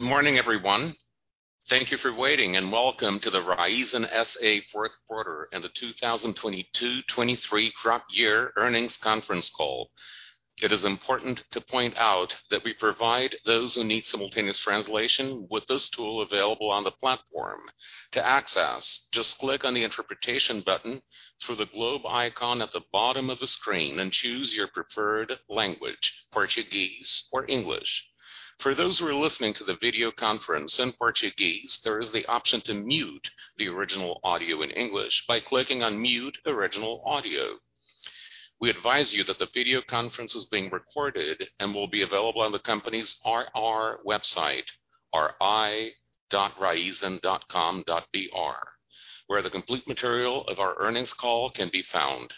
Good morning, everyone. Thank you for waiting. Welcome to the Raízen S.A. fourth quarter and the 2022, 2023 crop year earnings conference call. It is important to point out that we provide those who need simultaneous translation with this tool available on the platform. To access, just click on the interpretation button through the globe icon at the bottom of the screen and choose your preferred language, Portuguese or English. For those who are listening to the video conference in Portuguese, there is the option to mute the original audio in English by clicking on Mute Original Audio. We advise you that the video conference is being recorded and will be available on the company's RR website, ri.raizen.com.br, where the complete material of our earnings call can be found.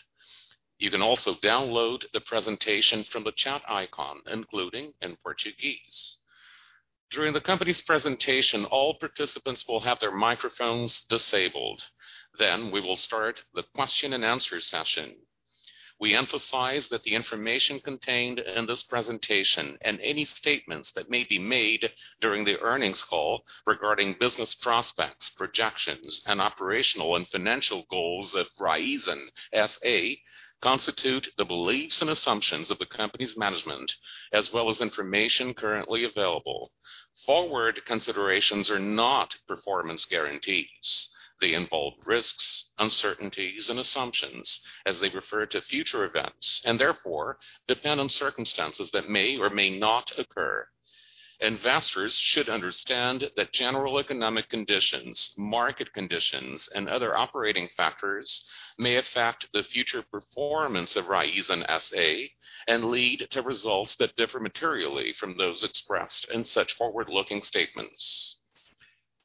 You can also download the presentation from the chat icon, including in Portuguese. During the company's presentation, all participants will have their microphones disabled. We will start the question and answer session. We emphasize that the information contained in this presentation and any statements that may be made during the earnings call regarding business prospects, projections, and operational and financial goals of Raízen S.A. constitute the beliefs and assumptions of the company's management, as well as information currently available. Forward considerations are not performance guarantees. They involve risks, uncertainties and assumptions as they refer to future events, and therefore depend on circumstances that may or may not occur. Investors should understand that general economic conditions, market conditions, and other operating factors may affect the future performance of Raízen S.A. and lead to results that differ materially from those expressed in such forward-looking statements.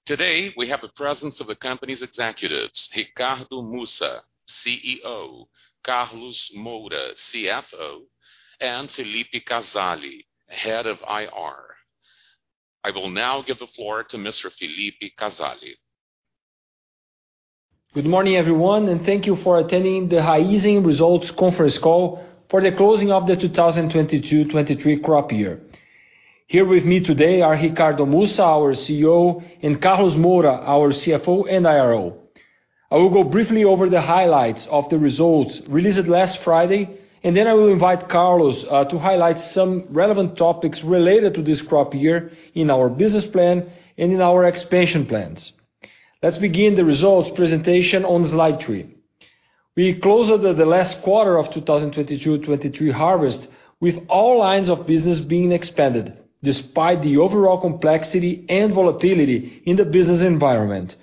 Today, we have the presence of the company's executives, Ricardo Mussa, CEO, Carlos Moura, CFO, and Felipe Casella, Head of IR. I will now give the floor to Mr. Felipe Casella. Good morning, everyone, and thank you for attending the Raízen Results Conference Call for the closing of the 2022-2023 crop year. Here with me today are Ricardo Mussa, our CEO, and Carlos Moura, our CFO and IRO. I will go briefly over the highlights of the results released last Friday, and then I will invite Carlos to highlight some relevant topics related to this crop year in our business plan and in our expansion plans. Let's begin the results presentation on slide three. We closed the last quarter of 2022-2023 harvest with all lines of business being expanded despite the overall complexity and volatility in the business environment.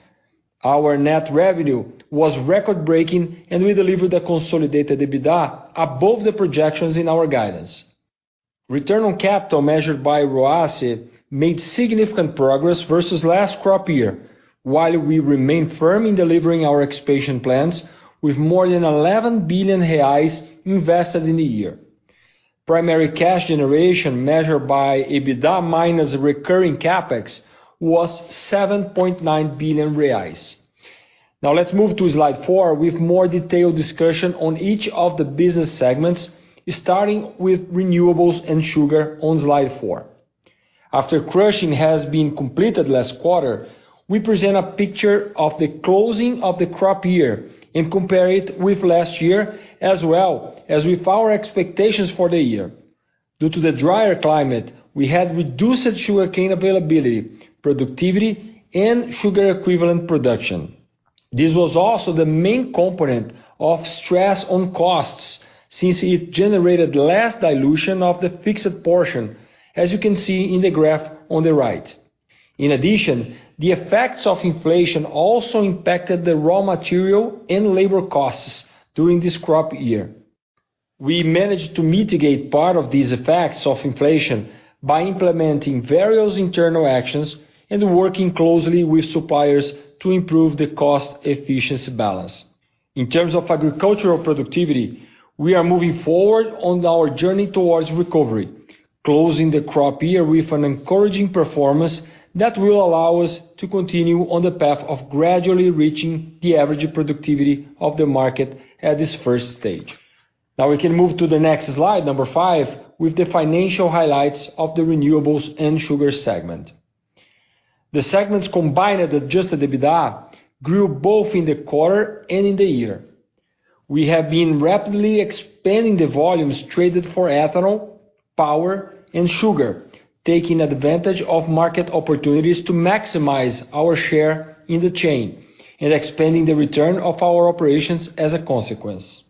Our net revenue was record-breaking, and we delivered a consolidated EBITDA above the projections in our guidance. Return on capital measured by ROACE made significant progress versus last crop year, we remain firm in delivering our expansion plans with more than 11 billion reais invested in the year. Primary cash generation measured by EBITDA minus recurring CapEx was 7.9 billion reais. Let's move to slide four with more detailed discussion on each of the business segments, starting with Power segment and sugar on Slide 4. After crushing has been completed last quarter, we present a picture of the closing of the crop year and compare it with last year as well as with our expectations for the year. Due to the drier climate, we had reduced sugarcane availability, productivity, and sugar equivalent production. This was also the main component of stress on costs since it generated less dilution of the fixed portion, as you can see in the graph on the right. The effects of inflation also impacted the raw material and labor costs during this crop year. We managed to mitigate part of these effects of inflation by implementing various internal actions and working closely with suppliers to improve the cost efficiency balance. In terms of agricultural productivity, we are moving forward on our journey towards recovery, closing the crop year with an encouraging performance that will allow us to continue on the path of gradually reaching the average productivity of the market at this first stage. We can move to the next slide number five, with the financial highlights of the Renewables and Sugar segment. The segments combined adjusted EBITDA grew both in the quarter and in the year. We have been rapidly expanding the volumes traded for ethanol, power, and sugar, taking advantage of market opportunities to maximize our share in the chain and expanding the return of our operations as a consequence.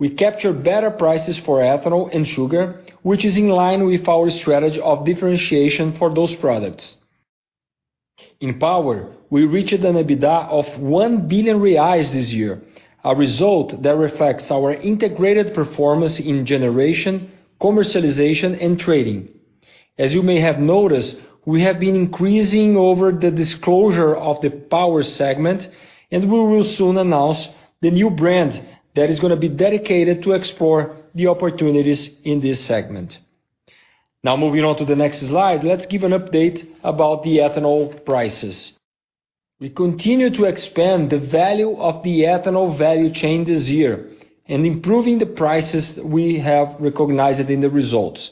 In addition, we capture better prices for ethanol and sugar, which is in line with our strategy of differentiation for those products. In power, we reached an EBITDA of 1 billion reais this year, a result that reflects our integrated performance in generation, commercialization, and trading. As you may have noticed, we have been increasing over the disclosure of the Power segment, and we will soon announce the new brand that is gonna be dedicated to explore the opportunities in this segment. Moving on to the next slide, let's give an update about the ethanol prices. We continue to expand the value of the ethanol value chain this year and improving the prices we have recognized in the results.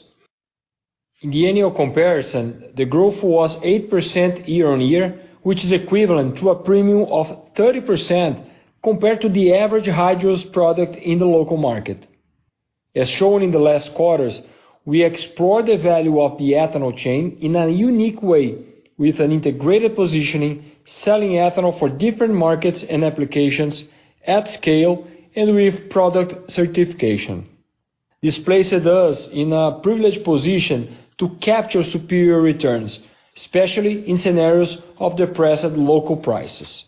In the annual comparison, the growth was 8% year-on-year, which is equivalent to a premium of 30% compared to the average hydrous product in the local market. As shown in the last quarters, we explore the value of the ethanol chain in a unique way with an integrated positioning, selling ethanol for different markets and applications at scale and with product certification. This places us in a privileged position to capture superior returns, especially in scenarios of depressed local prices.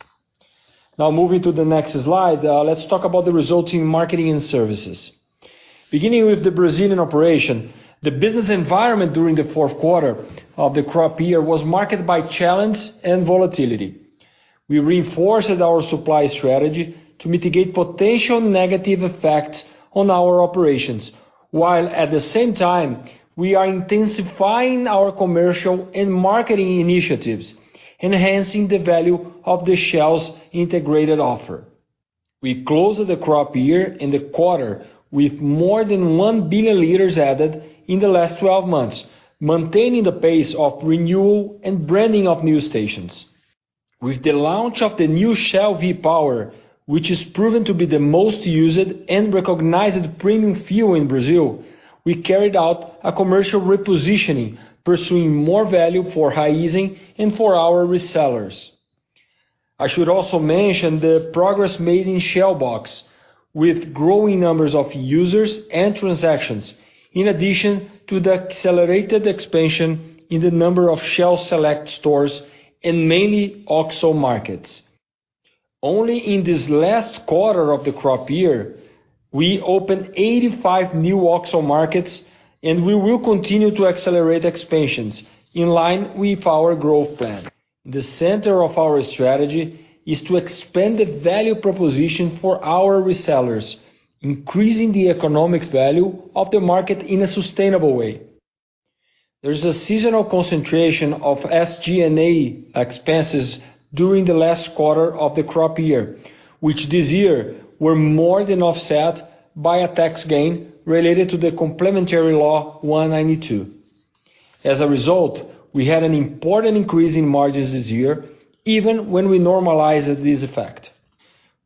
Moving to the next slide, let's talk about the results in marketing and services. Beginning with the Brazilian operation, the business environment during the fourth quarter of the crop year was marked by challenge and volatility. We reinforced our supply strategy to mitigate potential negative effects on our operations, while at the same time we are intensifying our commercial and marketing initiatives, enhancing the value of the Shell's integrated offer. We closed the crop year in the quarter with more than 1 billion liters added in the last 12 months, maintaining the pace of renewal and branding of new stations. With the launch of the new Shell V-Power, which is proven to be the most used and recognized premium fuel in Brazil, we carried out a commercial repositioning, pursuing more value for Raízen and for our resellers. I should also mention the progress made in Shell Box with growing numbers of users and transactions, in addition to the accelerated expansion in the number of Shell Select stores and mainly OXXO markets. Only in this last quarter of the crop year, we opened 85 new OXXO markets and we will continue to accelerate expansions in line with our growth plan. The center of our strategy is to expand the value proposition for our resellers, increasing the economic value of the market in a sustainable way. There is a seasonal concentration of SG&A expenses during the last quarter of the crop year, which this year were more than offset by a tax gain related to the Complementary Law 192. As a result, we had an important increase in margins this year even when we normalized this effect.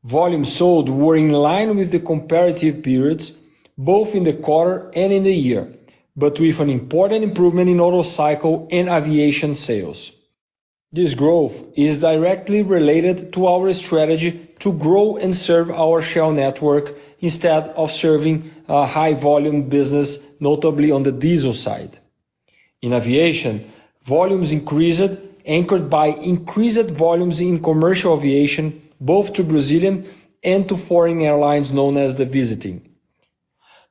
Volumes sold were in line with the comparative periods, both in the quarter and in the year, but with an important improvement in auto cycle and aviation sales. This growth is directly related to our strategy to grow and serve our Shell network instead of serving a high volume business, notably on the diesel side. In aviation, volumes increased, anchored by increased volumes in commercial aviation, both to Brazilian and to foreign airlines known as the visiting.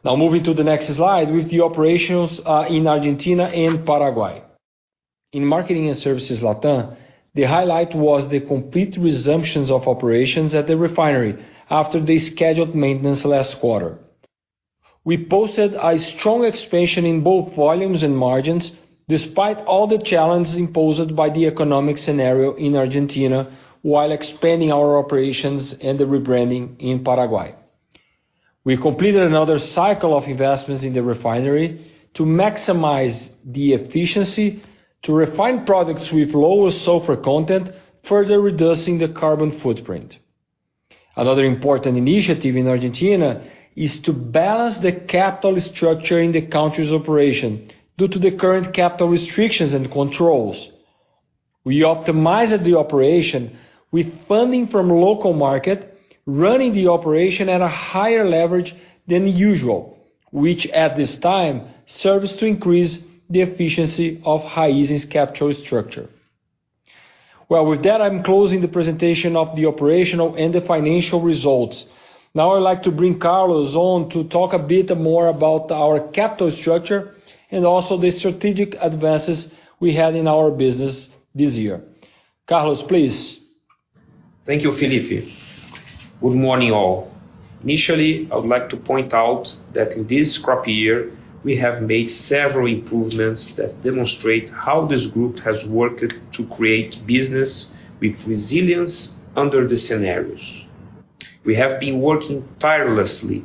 Now moving to the next slide with the operations in Argentina and Paraguay. In marketing and services LatAm, the highlight was the complete resumptions of operations at the refinery after the scheduled maintenance last quarter. We posted a strong expansion in both volumes and margins despite all the challenges imposed by the economic scenario in Argentina while expanding our operations and the rebranding in Paraguay. We completed another cycle of investments in the refinery to maximize the efficiency to refine products with lower sulfur content, further reducing the carbon footprint. Another important initiative in Argentina is to balance the capital structure in the country's operation due to the current capital restrictions and controls. We optimized the operation with funding from local market, running the operation at a higher leverage than usual, which at this time serves to increase the efficiency of Raízen's capital structure. Well, with that, I'm closing the presentation of the operational and the financial results. Now I'd like to bring Carlos on to talk a bit more about our capital structure and also the strategic advances we had in our business this year. Carlos, please. Thank you, Felipe. Good morning, all. Initially, I would like to point out that in this crop year, we have made several improvements that demonstrate how this group has worked to create business with resilience under the scenarios. We have been working tirelessly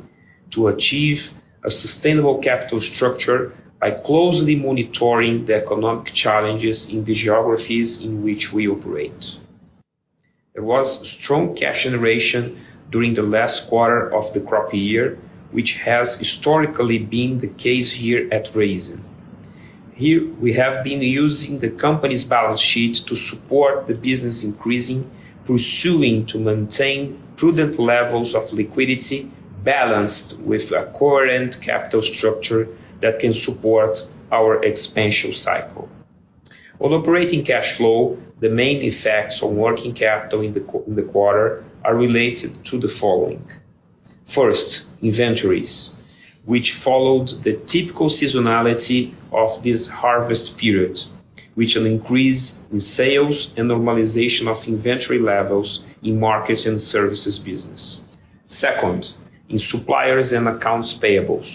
to achieve a sustainable capital structure by closely monitoring the economic challenges in the geographies in which we operate. There was strong cash generation during the last quarter of the crop year, which has historically been the case here at Raízen. Here we have been using the company's balance sheet to support the business increasing, pursuing to maintain prudent levels of liquidity balanced with a coherent capital structure that can support our expansion cycle. On operating cash flow, the main effects on working capital in the quarter are related to the following. First, inventories, which followed the typical seasonality of this harvest period, which will increase in sales and normalization of inventory levels in markets and services business. Second, in suppliers and accounts payables.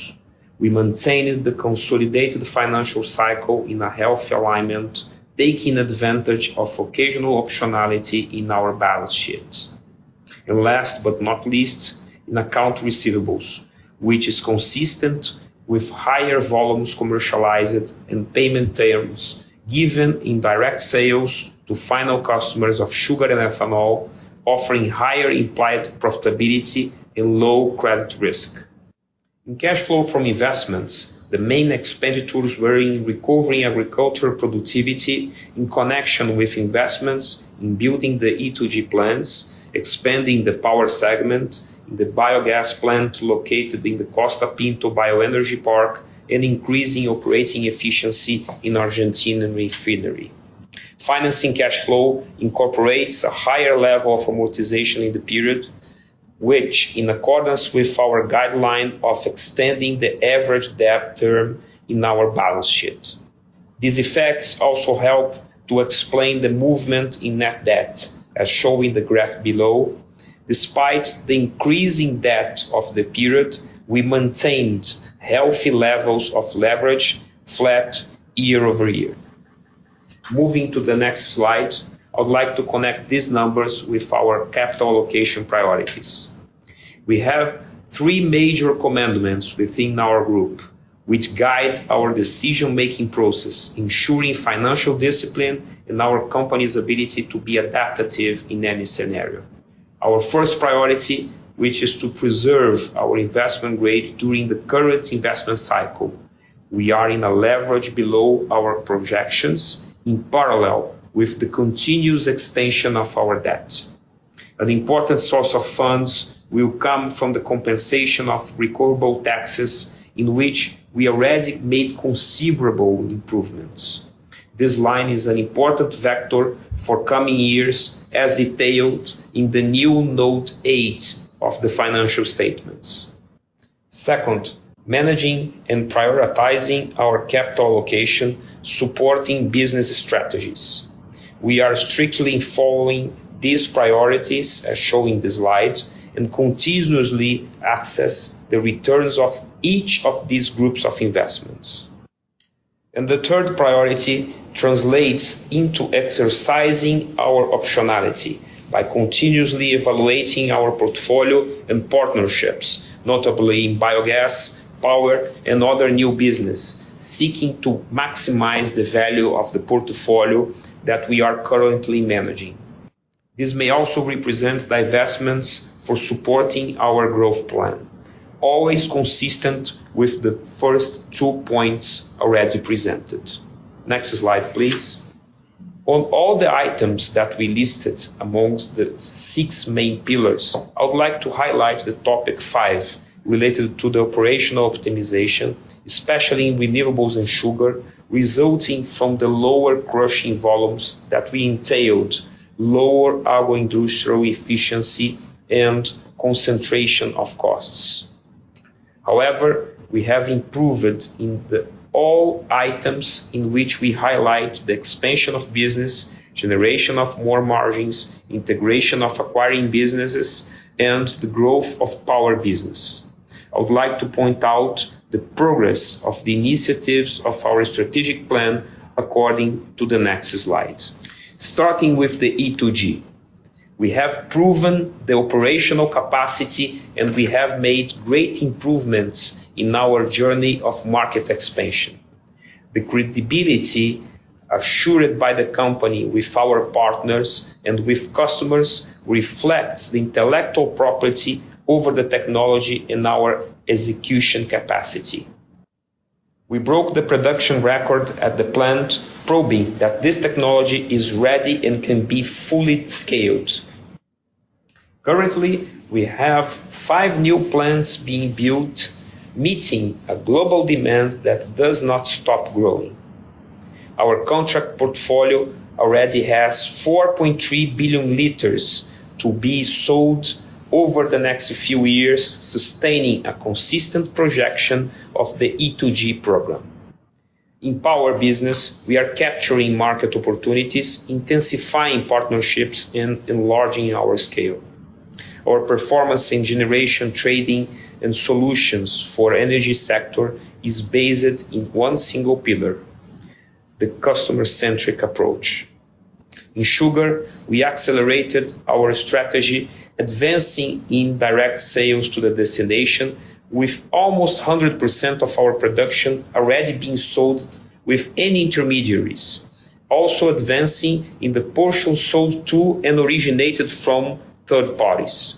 We maintained the consolidated financial cycle in a healthy alignment, taking advantage of occasional optionality in our balance sheets. Last but not least, in account receivables, which is consistent with higher volumes commercialized and payment terms given in direct sales to final customers of sugar and ethanol, offering higher implied profitability and low credit risk. In cash flow from investments, the main expenditures were in recovering agricultural productivity in connection with investments in building the E2G plants, expanding the Power segment in the biogas plant located in the Costa Pinto Bioenergy Park, and increasing operating efficiency in Argentina Refinery. Financing cash flow incorporates a higher level of amortization in the period, which in accordance with our guideline of extending the average debt term in our balance sheet. These effects also help to explain the movement in net debt as shown in the graph below. Despite the increasing debt of the period, we maintained healthy levels of leverage flat year-over-year. Moving to the next slide, I would like to connect these numbers with our capital allocation priorities. We have three major commandments within our group, which guide our decision-making process, ensuring financial discipline and our company's ability to be adaptive in any scenario. Our first priority, which is to preserve our investment grade during the current investment cycle. We are in a leverage below our projections in parallel with the continuous extension of our debt. An important source of funds will come from the compensation of recordable taxes in which we already made considerable improvements. This line is an important vector for coming years as detailed in the new Note 8 of the financial statements. Second, managing and prioritizing our capital allocation, supporting business strategies. We are strictly following these priorities as shown in the slides, and continuously access the returns of each of these groups of investments. The third priority translates into exercising our optionality by continuously evaluating our portfolio and partnerships, notably in biogas, power, and other new business, seeking to maximize the value of the portfolio that we are currently managing. This may also represent divestments for supporting our growth plan, always consistent with the first two points already presented. Next slide, please. On all the items that we listed amongst the six main pillars, I would like to highlight the topic 5 related to the operational optimization, especially in Renewables and Sugar, resulting from the lower crushing volumes that we entailed lower our industrial efficiency and concentration of costs. We have improved in the all items in which we highlight the expansion of business, generation of more margins, integration of acquiring businesses, and the growth of Power business. I would like to point out the progress of the initiatives of our strategic plan according to the next slide. Starting with the E2G. We have proven the operational capacity, and we have made great improvements in our journey of market expansion. The credibility assured by the company with our partners and with customers reflects the intellectual property over the technology and our execution capacity. We broke the production record at the plant, probing that this technology is ready and can be fully scaled. Currently, we have five new plants being built, meeting a global demand that does not stop growing. Our contract portfolio already has 4.3 billion liters to be sold over the next few years, sustaining a consistent projection of the E2G program. In power business, we are capturing market opportunities, intensifying partnerships, and enlarging our scale. Our performance in generation, trading, and solutions for energy sector is based in one single pillar, the customer-centric approach. In Sugar, we accelerated our strategy, advancing in direct sales to the destination, with almost 100% of our production already being sold with any intermediaries, also advancing in the portion sold to and originated from third parties.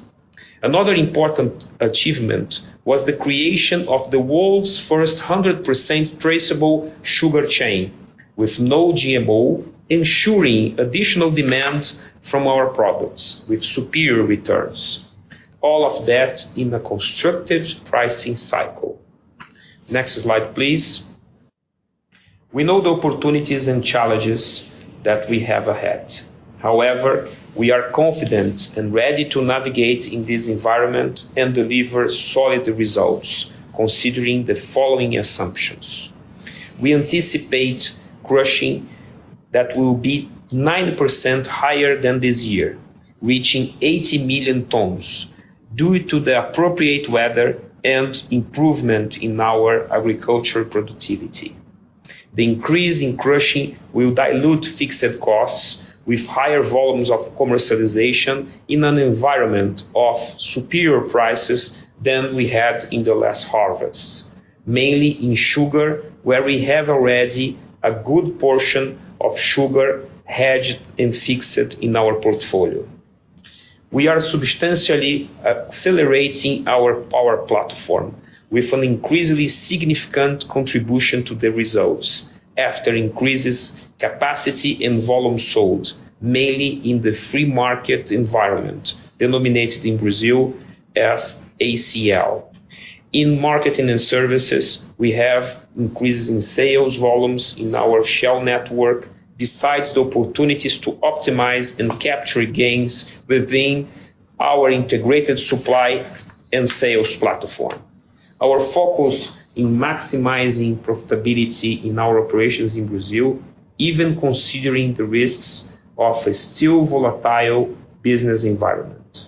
Another important achievement was the creation of the world's first 100% traceable sugar chain with no GMO, ensuring additional demand from our products with superior returns, all of that in a constructive pricing cycle. Next slide, please. We know the opportunities and challenges that we have ahead. We are confident and ready to navigate in this environment and deliver solid results considering the following assumptions. We anticipate crushing that will be 90% higher than this year, reaching 80 million tons due to the appropriate weather and improvement in our agricultural productivity. The increase in crushing will dilute fixed costs with higher volumes of commercialization in an environment of superior prices than we had in the last harvest, mainly in sugar, where we have already a good portion of sugar hedged and fixed in our portfolio. We are substantially accelerating our power platform with an increasingly significant contribution to the results after increases capacity and volume sold, mainly in the free market environment, denominated in Brazil as ACL. In marketing and services, we have increases in sales volumes in our Shell network, besides the opportunities to optimize and capture gains within our integrated supply and sales platform. Our focus in maximizing profitability in our operations in Brazil, even considering the risks of a still volatile business environment.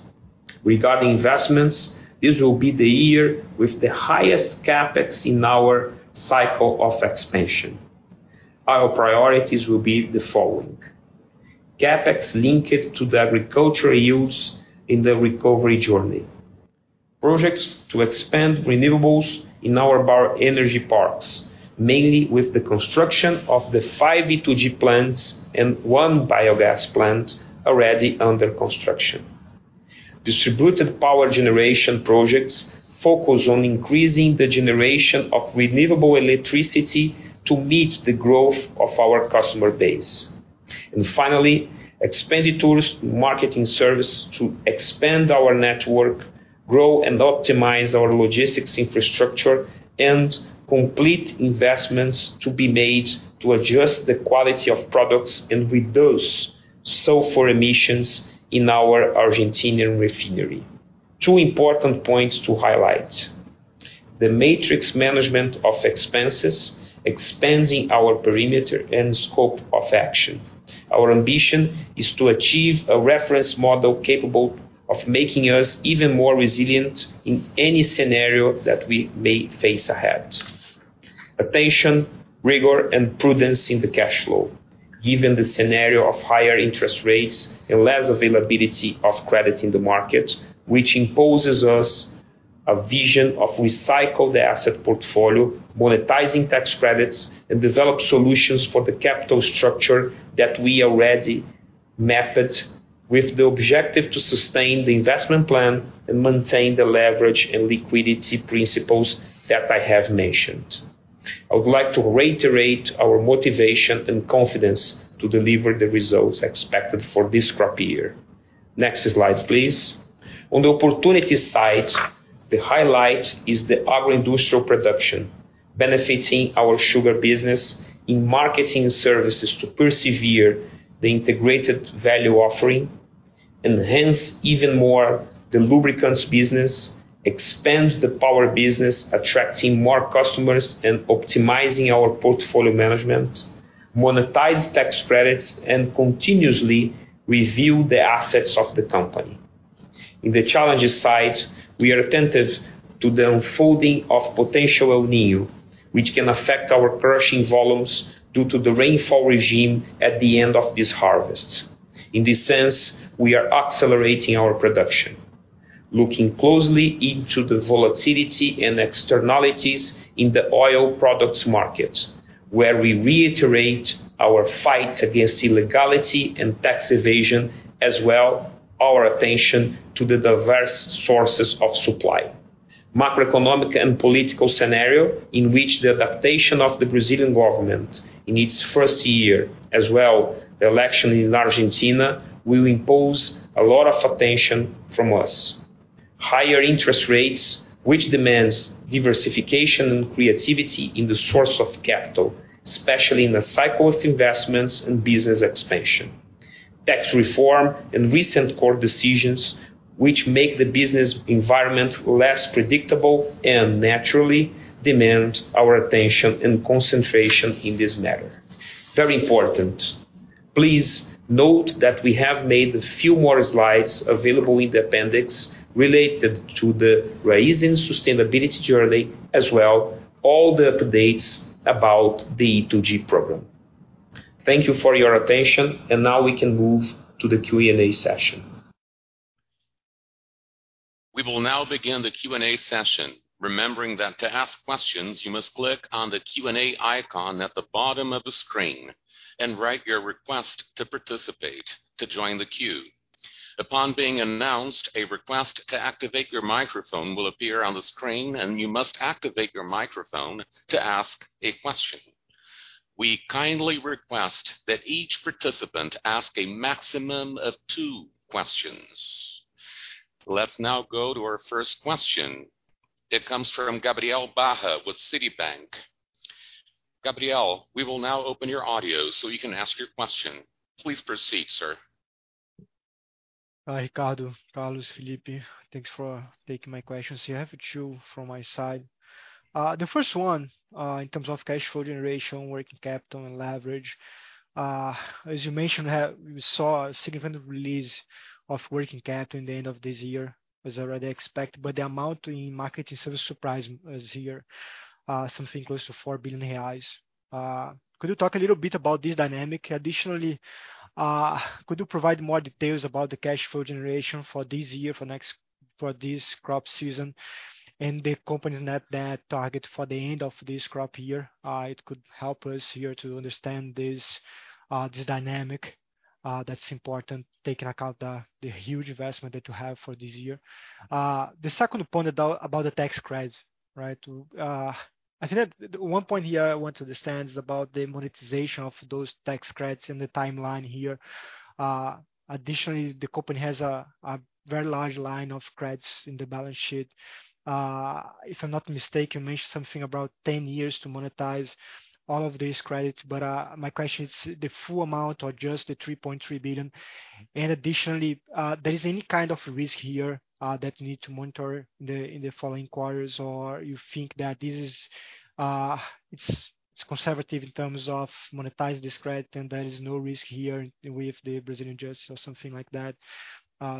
Regarding investments, this will be the year with the highest CapEx in our cycle of expansion. Our priorities will be the following: CapEx linked to the agricultural use in the recovery journey. Projects to expand Renewables in our bioenergy parks, mainly with the construction of the five E2G plants and one biogas plant already under construction. Distributed power generation projects focus on increasing the generation of renewable electricity to meet the growth of our customer base. Finally, expenditures marketing service to expand our network, grow and optimize our logistics infrastructure, and complete investments to be made to adjust the quality of products and reduce sulfur emissions in our Argentinian refinery. Two important points to highlight. The matrix management of expenses, expanding our perimeter and scope of action. Our ambition is to achieve a reference model capable of making us even more resilient in any scenario that we may face ahead. Attention, rigor, and prudence in the cash flow, given the scenario of higher interest rates and less availability of credit in the market, which imposes us a vision of recycled asset portfolio, monetizing tax credits, and develop solutions for the capital structure that we already mapped with the objective to sustain the investment plan and maintain the leverage and liquidity principles that I have mentioned. I would like to reiterate our motivation and confidence to deliver the results expected for this crop year. Next slide, please. On the opportunity side, the highlight is the agroindustrial production benefiting our Sugar business in marketing services to persevere the integrated value offering and hence even more the lubricants business, expand the power business, attracting more customers and optimizing our portfolio management, monetize tax credits, and continuously review the assets of the company. In the challenges side, we are attentive to the unfolding of potential El Niño, which can affect our crushing volumes due to the rainfall regime at the end of this harvest. In this sense, we are accelerating our production, looking closely into the volatility and externalities in the oil products market, where we reiterate our fight against illegality and tax evasion, as well our attention to the diverse sources of supply. Macroeconomic and political scenario in which the adaptation of the Brazilian government in its first year, as well the election in Argentina will impose a lot of attention from us. Higher interest rates, which demands diversification and creativity in the source of capital, especially in the cycle of investments and business expansion. Tax reform and recent court decisions which make the business environment less predictable and naturally demand our attention and concentration in this matter. Very important, please note that we have made a few more slides available in the appendix related to the Raízen sustainability journey, as well all the updates about the E2G program. Thank you for your attention. Now we can move to the Q&A session. We will now begin the Q&A session. Remembering that to ask questions, you must click on the Q&A icon at the bottom of the screen and write your request to participate to join the queue. Upon being announced, a request to activate your microphone will appear on the screen, and you must activate your microphone to ask a question. We kindly request that each participant ask a maximum of two questions. Let's now go to our first question. It comes from Gabriel Barra with Citibank. Gabriel, we will now open your audio so you can ask your question. Please proceed, sir. Ricardo, Carlos, Felipe, thanks for taking my questions here. I have two from my side. The first one, in terms of cash flow generation, working capital and leverage. As you mentioned, we saw a significant release of working capital in the end of this year, as already expected, but the amount in market is still surprising as here, something close to 4 billion reais. Could you talk a little bit about this dynamic? Additionally, could you provide more details about the cash flow generation for this year, for this crop season and the company net debt target for the end of this crop year? It could help us here to understand this dynamic, that's important, taking account the huge investment that you have for this year. The second point about the tax credits, right? I think that one point here I want to understand is about the monetization of those tax credits and the timeline here. Additionally, the company has a very large line of credits in the balance sheet. If I'm not mistaken, you mentioned something about 10 years to monetize all of these credits. My question is the full amount or just the 3.3 billion? Additionally, there is any kind of risk here that you need to monitor in the following quarters, or you think that this is conservative in terms of monetizing this credit and there is no risk here with the Brazilian judge or something like that.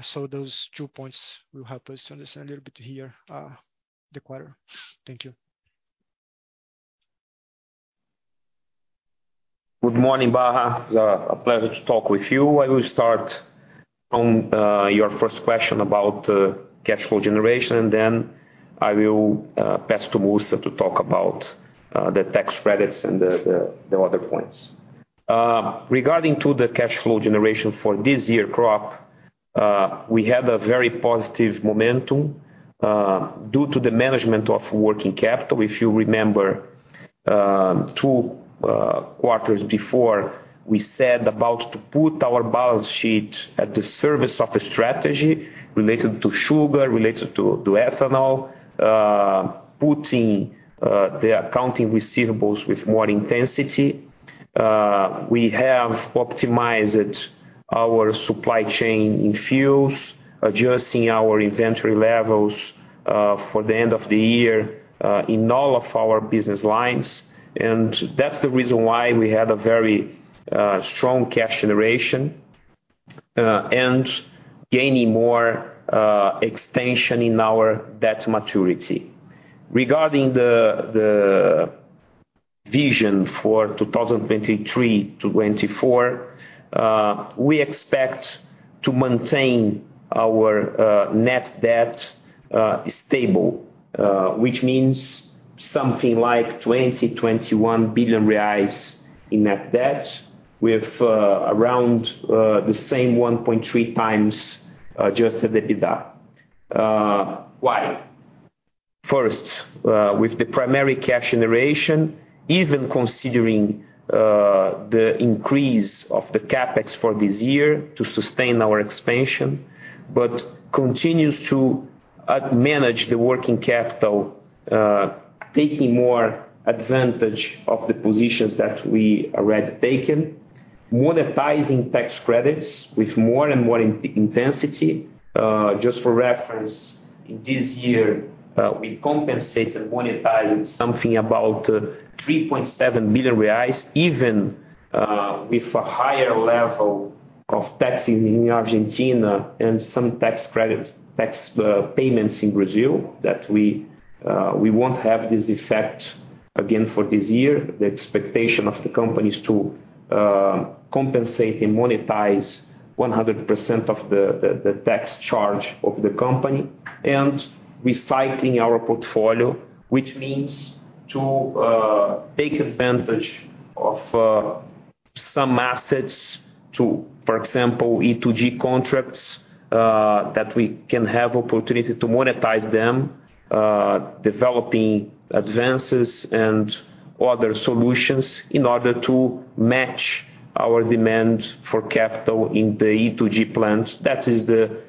So those two points will help us to understand a little bit here, the quarter. Thank you. Good morning, Barra. It's a pleasure to talk with you. I will start on your first question about cash flow generation, and then I will pass to Mussa to talk about the tax credits and the other points. Regarding the cash flow generation for this year crop, we had a very positive momentum due to the management of working capital. If you remember, two quarters before, we said about to put our balance sheet at the service of a strategy related to Sugar, related to ethanol, putting the accounting receivables with more intensity. We have optimized our supply chain in fuels, adjusting our inventory levels for the end of the year in all of our business lines. That's the reason why we had a very strong cash generation and gaining more extension in our debt maturity. Regarding the vision for 2023-2024, we expect to maintain our net debt stable, which means something like 20 billion-21 billion reais in net debt with around the same 1.3x adjusted EBITDA. Why? First, with the primary cash generation, even considering the increase of the CapEx for this year to sustain our expansion, but continues to manage the working capital, taking more advantage of the positions that we already taken, monetizing tax credits with more and more intensity. Just for reference, in this year, we compensated monetizing something about 3.7 billion reais, even with a higher level of taxing in Argentina and some tax credits, tax payments in Brazil that we won't have this effect again for this year. The expectation of the company is to compensate and monetize 100% of the tax charge of the company and reciting our portfolio, which means to take advantage of some assets to, for example, E2G contracts, that we can have opportunity to monetize them, developing advances and other solutions in order to match our demand for capital in the E2G plans. That is the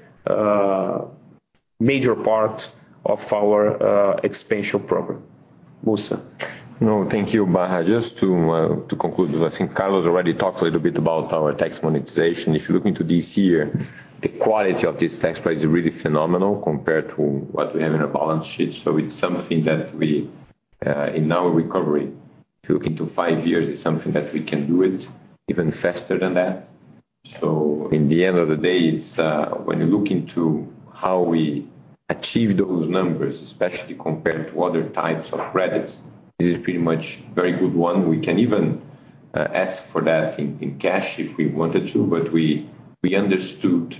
major part of our expansion program. Mussa. No, thank you, Barra. Just to conclude, I think Carlos already talked a little bit about our tax monetization. If you look into this year, the quality of this tax credit is really phenomenal compared to what we have in our balance sheet. It's something that we, in our recovery, looking to five years is something that we can do it even faster than that. In the end of the day, it's, when you look into how we achieve those numbers, especially compared to other types of credits, this is pretty much very good one. We can even, ask for that in cash if we wanted to, we understood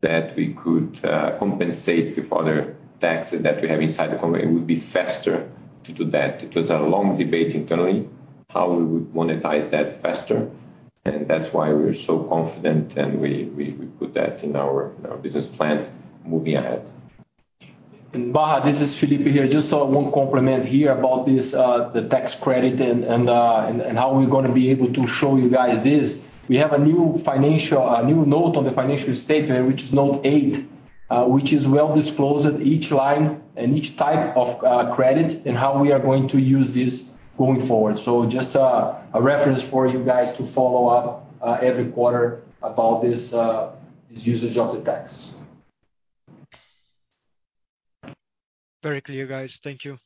that we could, compensate with other taxes that we have inside the company. It would be faster to do that. It was a long debate internally, how we would monetize that faster, and that's why we're so confident and we put that in our business plan moving ahead. Barra, this is Felipe here. Just one compliment here about this the tax credit and how we're gonna be able to show you guys this. We have a new Note on the financial statement, which is Note 8. Which is well disclosed at each line and each type of credit and how we are going to use this going forward. Just a reference for you guys to follow up every quarter about this usage of the tax. Very clear, you guys. Thank you.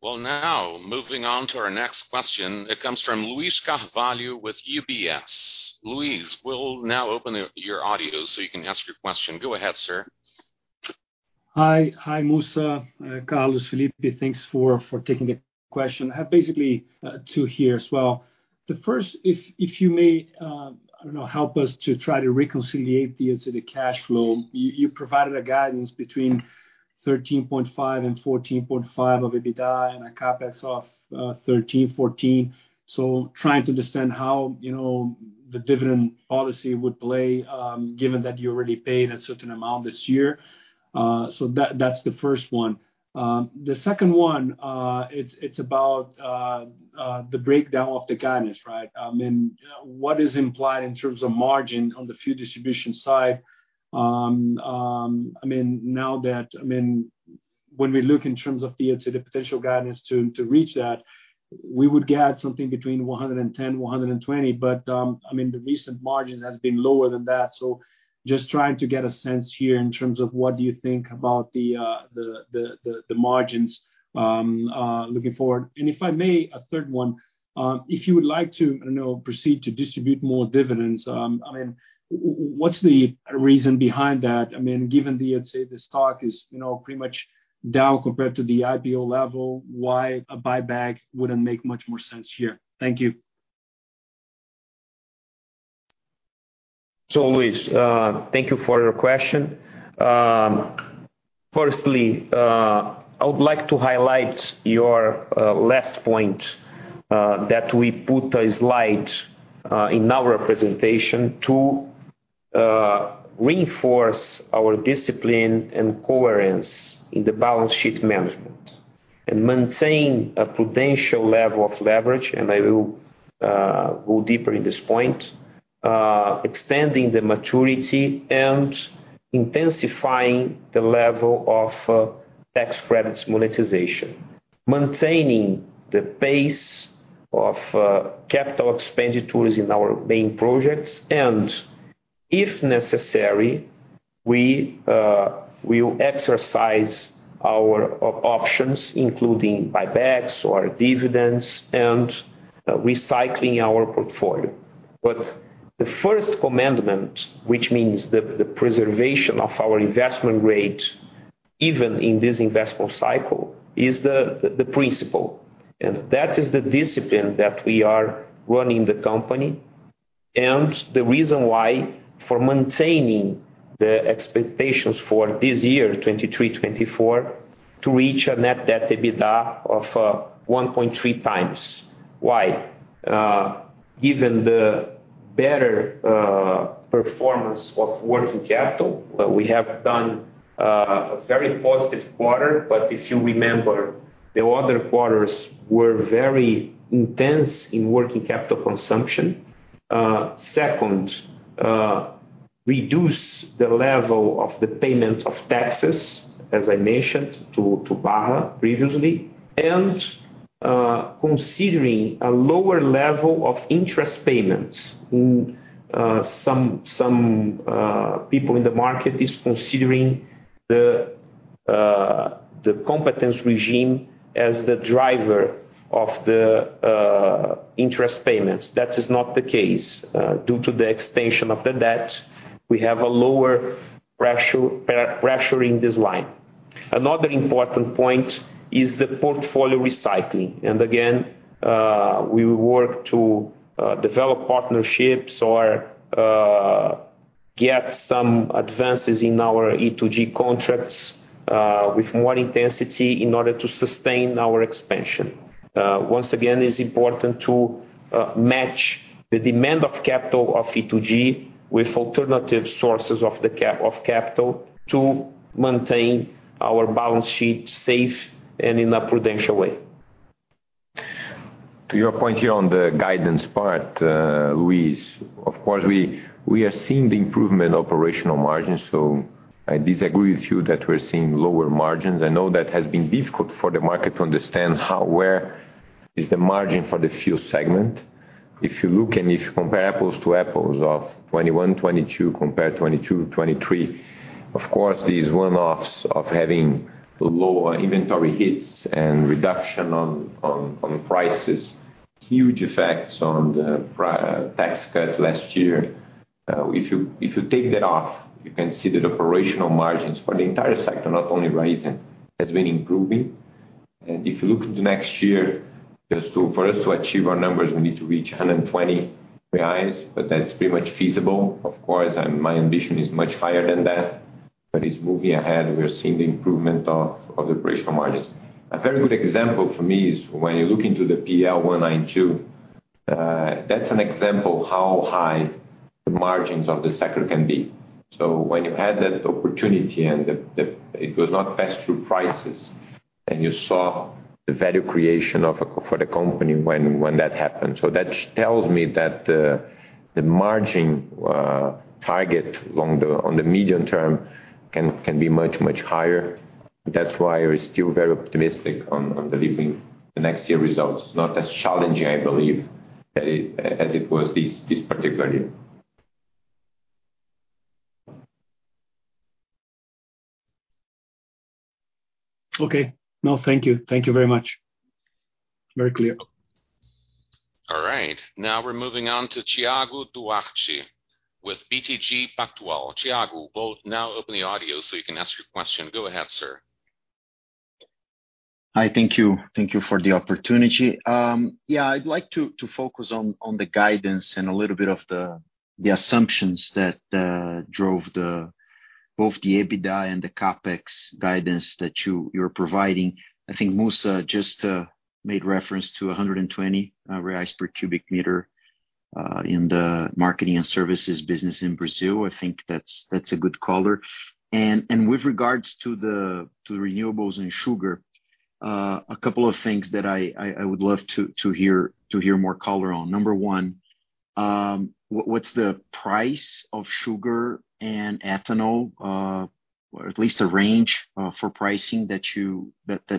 Well, now moving on to our next question. It comes from Luiz Carvalho with UBS. Luiz, we'll now open your audio so you can ask your question. Go ahead, sir. Hi. Hi, Mussa, Carlos, Felipe. Thanks for taking a question. I have basically two here as well. The first, if you may, I don't know, help us to try to reconciliate the EBITDA cash flow. You provided a guidance between 13.5 billion and 14.5 billion of EBITDA and a CapEx of 13 billion, 14 billion. Trying to understand how, you know, the dividend policy would play, given that you already paid a certain amount this year. That's the first one. The second one, it's about the breakdown of the guidance, right? I mean, what is implied in terms of margin on the fuel distribution side? I mean, now that... I mean, when we look in terms of the EBITDA potential guidance to reach that, we would get something between 110, 120. I mean, the recent margins has been lower than that. Just trying to get a sense here in terms of what do you think about the margins looking forward? If I may, a third one, if you would like to, I don't know, proceed to distribute more dividends, I mean, what's the reason behind that? I mean, given the, let's say, the stock is, you know, pretty much down compared to the IPO level, why a buyback wouldn't make much more sense here? Thank you. Luiz, thank you for your question. Firstly, I would like to highlight your last point, that we put a slide in our presentation to reinforce our discipline and coherence in the balance sheet management. Maintaining a prudential level of leverage, and I will go deeper in this point, extending the maturity and intensifying the level of tax credits monetization. Maintaining the pace of capital expenditures in our main projects, and if necessary, we will exercise our options, including buybacks or dividends and recycling our portfolio. The first commandment, which means the preservation of our investment rate, even in this investment cycle, is the principle. That is the discipline that we are running the company, and the reason why for maintaining the expectations for this year, 2023, 2024, to reach a net debt to EBITDA of 1.3x. Why? Given the better performance of working capital, we have done a very positive quarter. If you remember, the other quarters were very intense in working capital consumption. Second, reduce the level of the payment of taxes, as I mentioned to Barra previously. Considering a lower level of interest payments, some people in the market is considering the competence regime as the driver of the interest payments. That is not the case. Due to the extension of the debt, we have a lower pressure in this line. Another important point is the portfolio recycling. Again, we work to develop partnerships or get some advances in our E2G contracts, with more intensity in order to sustain our expansion. Once again, it's important to match the demand of capital of E2G with alternative sources of capital to maintain our balance sheet safe and in a prudential way. To your point here on the guidance part, Luiz, of course, we are seeing the improvement operational margins. I disagree with you that we're seeing lower margins. I know that has been difficult for the market to understand how, where is the margin for the fuel segment. If you look and if you compare apples to apples of 2021, 2022 compared 2022, 2023, of course, these one-offs of having lower inventory hits and reduction on prices, huge effects on the tax cut last year. If you take that off, you can see that operational margins for the entire sector not only Raízen has been improving. If you look at the next year, just for us to achieve our numbers, we need to reach 120. That's pretty much feasible. Of course, my ambition is much higher than that, but it's moving ahead. We're seeing the improvement of the operational margins. A very good example for me is when you look into the PL 192, that's an example how high the margins of the sector can be. When you had that opportunity and it was not passed through prices. You saw the value creation for the company when that happened. That tells me that the margin target on the medium term can be much, much higher. That's why we're still very optimistic on delivering the next year results. Not as challenging, I believe, as it was this particular year. Okay. No, thank you. Thank you very much. Very clear. All right. Now we're moving on to Thiago Duarte with BTG Pactual. Thiago, we'll now open the audio so you can ask your question. Go ahead, sir. Hi. Thank you. Thank you for the opportunity. Yeah, I'd like to focus on the guidance and a little bit of the assumptions that drove both the EBITDA and the CapEx guidance that you're providing. I think Mussa just made reference to 120 reais per cubic meter in the marketing and services business in Brazil. I think that's a good color. With regards to the Renewables and Sugar, a couple of things that I would love to hear more color on. Number one, what's the price of sugar and ethanol, or at least a range for pricing that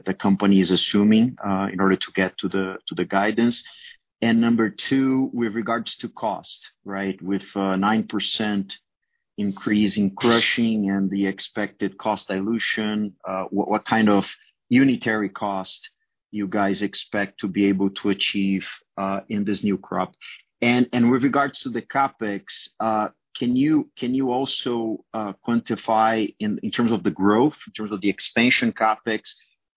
the company is assuming in order to get to the guidance? Number two, with regards to cost, right? With 9% increase in crushing and the expected cost dilution, what kind of unitary cost you guys expect to be able to achieve in this new crop? With regards to the CapEx, can you also quantify in terms of the growth, in terms of the expansion CapEx,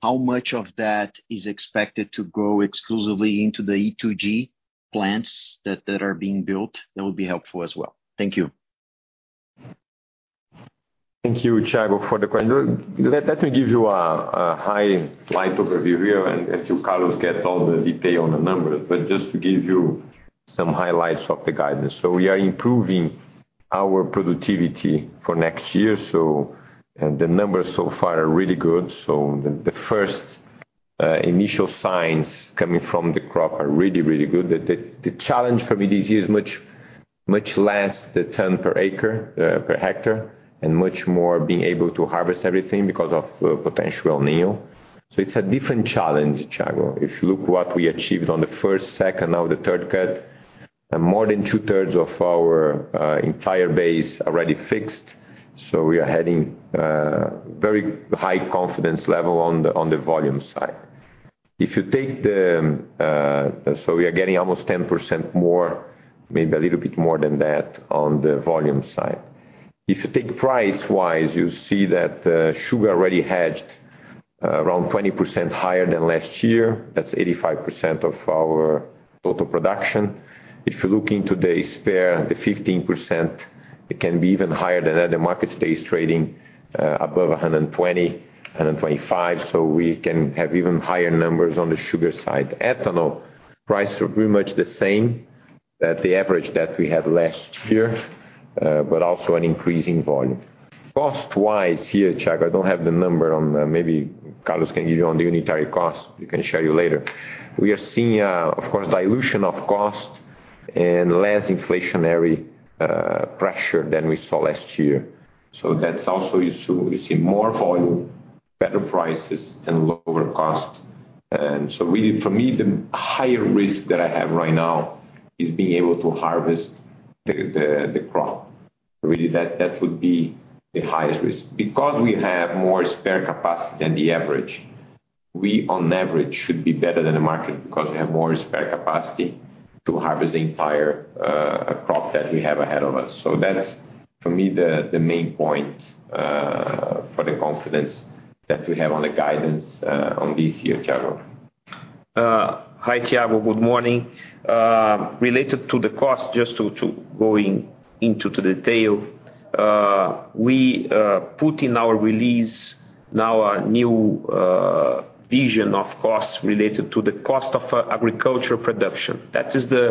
how much of that is expected to go exclusively into the E2G plants that are being built? That would be helpful as well. Thank you. Thank you, Thiago, for the question. Let me give you a highlight overview here, and to Carlos get all the detail on the numbers, but just to give you some highlights of the guidance. We are improving our productivity for next year, so the numbers so far are really good. The 1st initial signs coming from the crop are really, really good. The challenge for me this year is much, much less the ton per acre per hectare, and much more being able to harvest everything because of potential El Niño. It's a different challenge, Thiago. If you look what we achieved on the first, second, now the third cut, and more than 2/3 of our entire base already fixed, we are heading very high confidence level on the volume side. If you take the. We are getting almost 10% more, maybe a little bit more than that on the volume side. If you take price-wise, you see that Sugar already hedged around 20% higher than last year. That's 85% of our total production. If you look into the spare, the 15%, it can be even higher than that. The market stays trading above $1.20, $1.25, so we can have even higher numbers on the Sugar side. Ethanol prices are pretty much the same at the average that we had last year, but also an increase in volume. Cost-wise here, Thiago, I don't have the number on. Maybe Carlos can give you on the unitary cost. We can show you later. We are seeing, of course, dilution of cost and less inflationary pressure than we saw last year. That's also used to receive more volume, better prices, and lower cost. Really for me, the higher risk that I have right now is being able to harvest the crop. Really, that would be the highest risk. Because we have more spare capacity than the average, we on average should be better than the market because we have more spare capacity to harvest the entire crop that we have ahead of us. That's for me, the main point for the confidence that we have on the guidance on this year, Thiago. Hi, Thiago. Good morning. Related to the cost, just to go into the detail, we put in our release now a new vision of costs related to the cost of agriculture production. That is the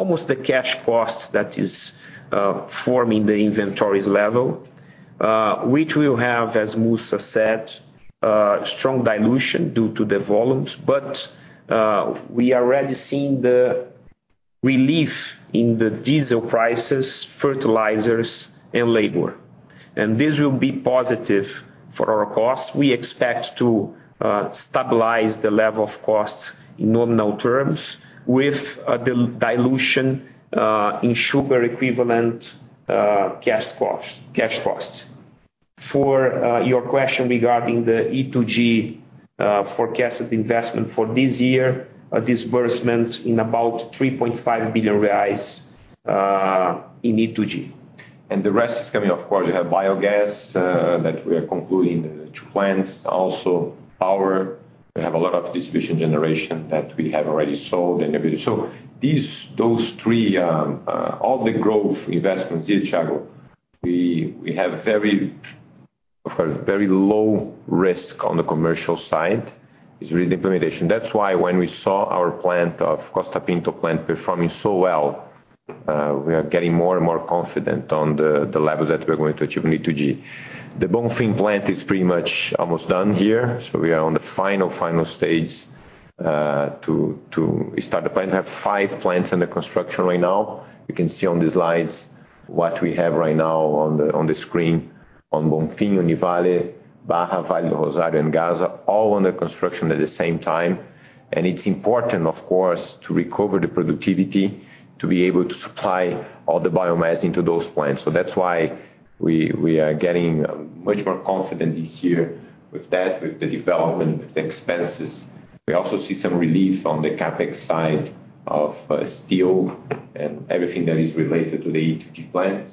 almost the cash cost that is forming the inventories level, which will have, as Mussa said, strong dilution due to the volumes. We are already seeing the relief in the diesel prices, fertilizers, and labor. This will be positive for our costs. We expect to stabilize the level of costs in nominal terms with a dilution in Sugar equivalent cash costs. For your question regarding the E2G forecasted investment for this year, a disbursement in about 3.5 billion reais in E2G. The rest is coming. Of course, we have biogas, that we are concluding the two plants. Power, we have a lot of distribution generation that we have already sold and delivered. These, those three, all the growth investments here, Thiago, we have very, of course, very low risk on the commercial side. It's really the implementation. That's why when we saw our plant of Costa Pinto plant performing so well. We are getting more and more confident on the levels that we are going to achieve in E2G. The Bonfim plant is pretty much almost done here, so we are on the final stage, to start the plant. We have five plants under construction right now. You can see on the slides what we have right now on the screen on Bonfim, Univalem, Barra, Vale do Rosário, and Gasa, all under construction at the same time. It's important, of course, to recover the productivity to be able to supply all the biomass into those plants. That's why we are getting much more confident this year with that, with the development, with the expenses. We also see some relief on the CapEx side of steel and everything that is related to the E2G plants.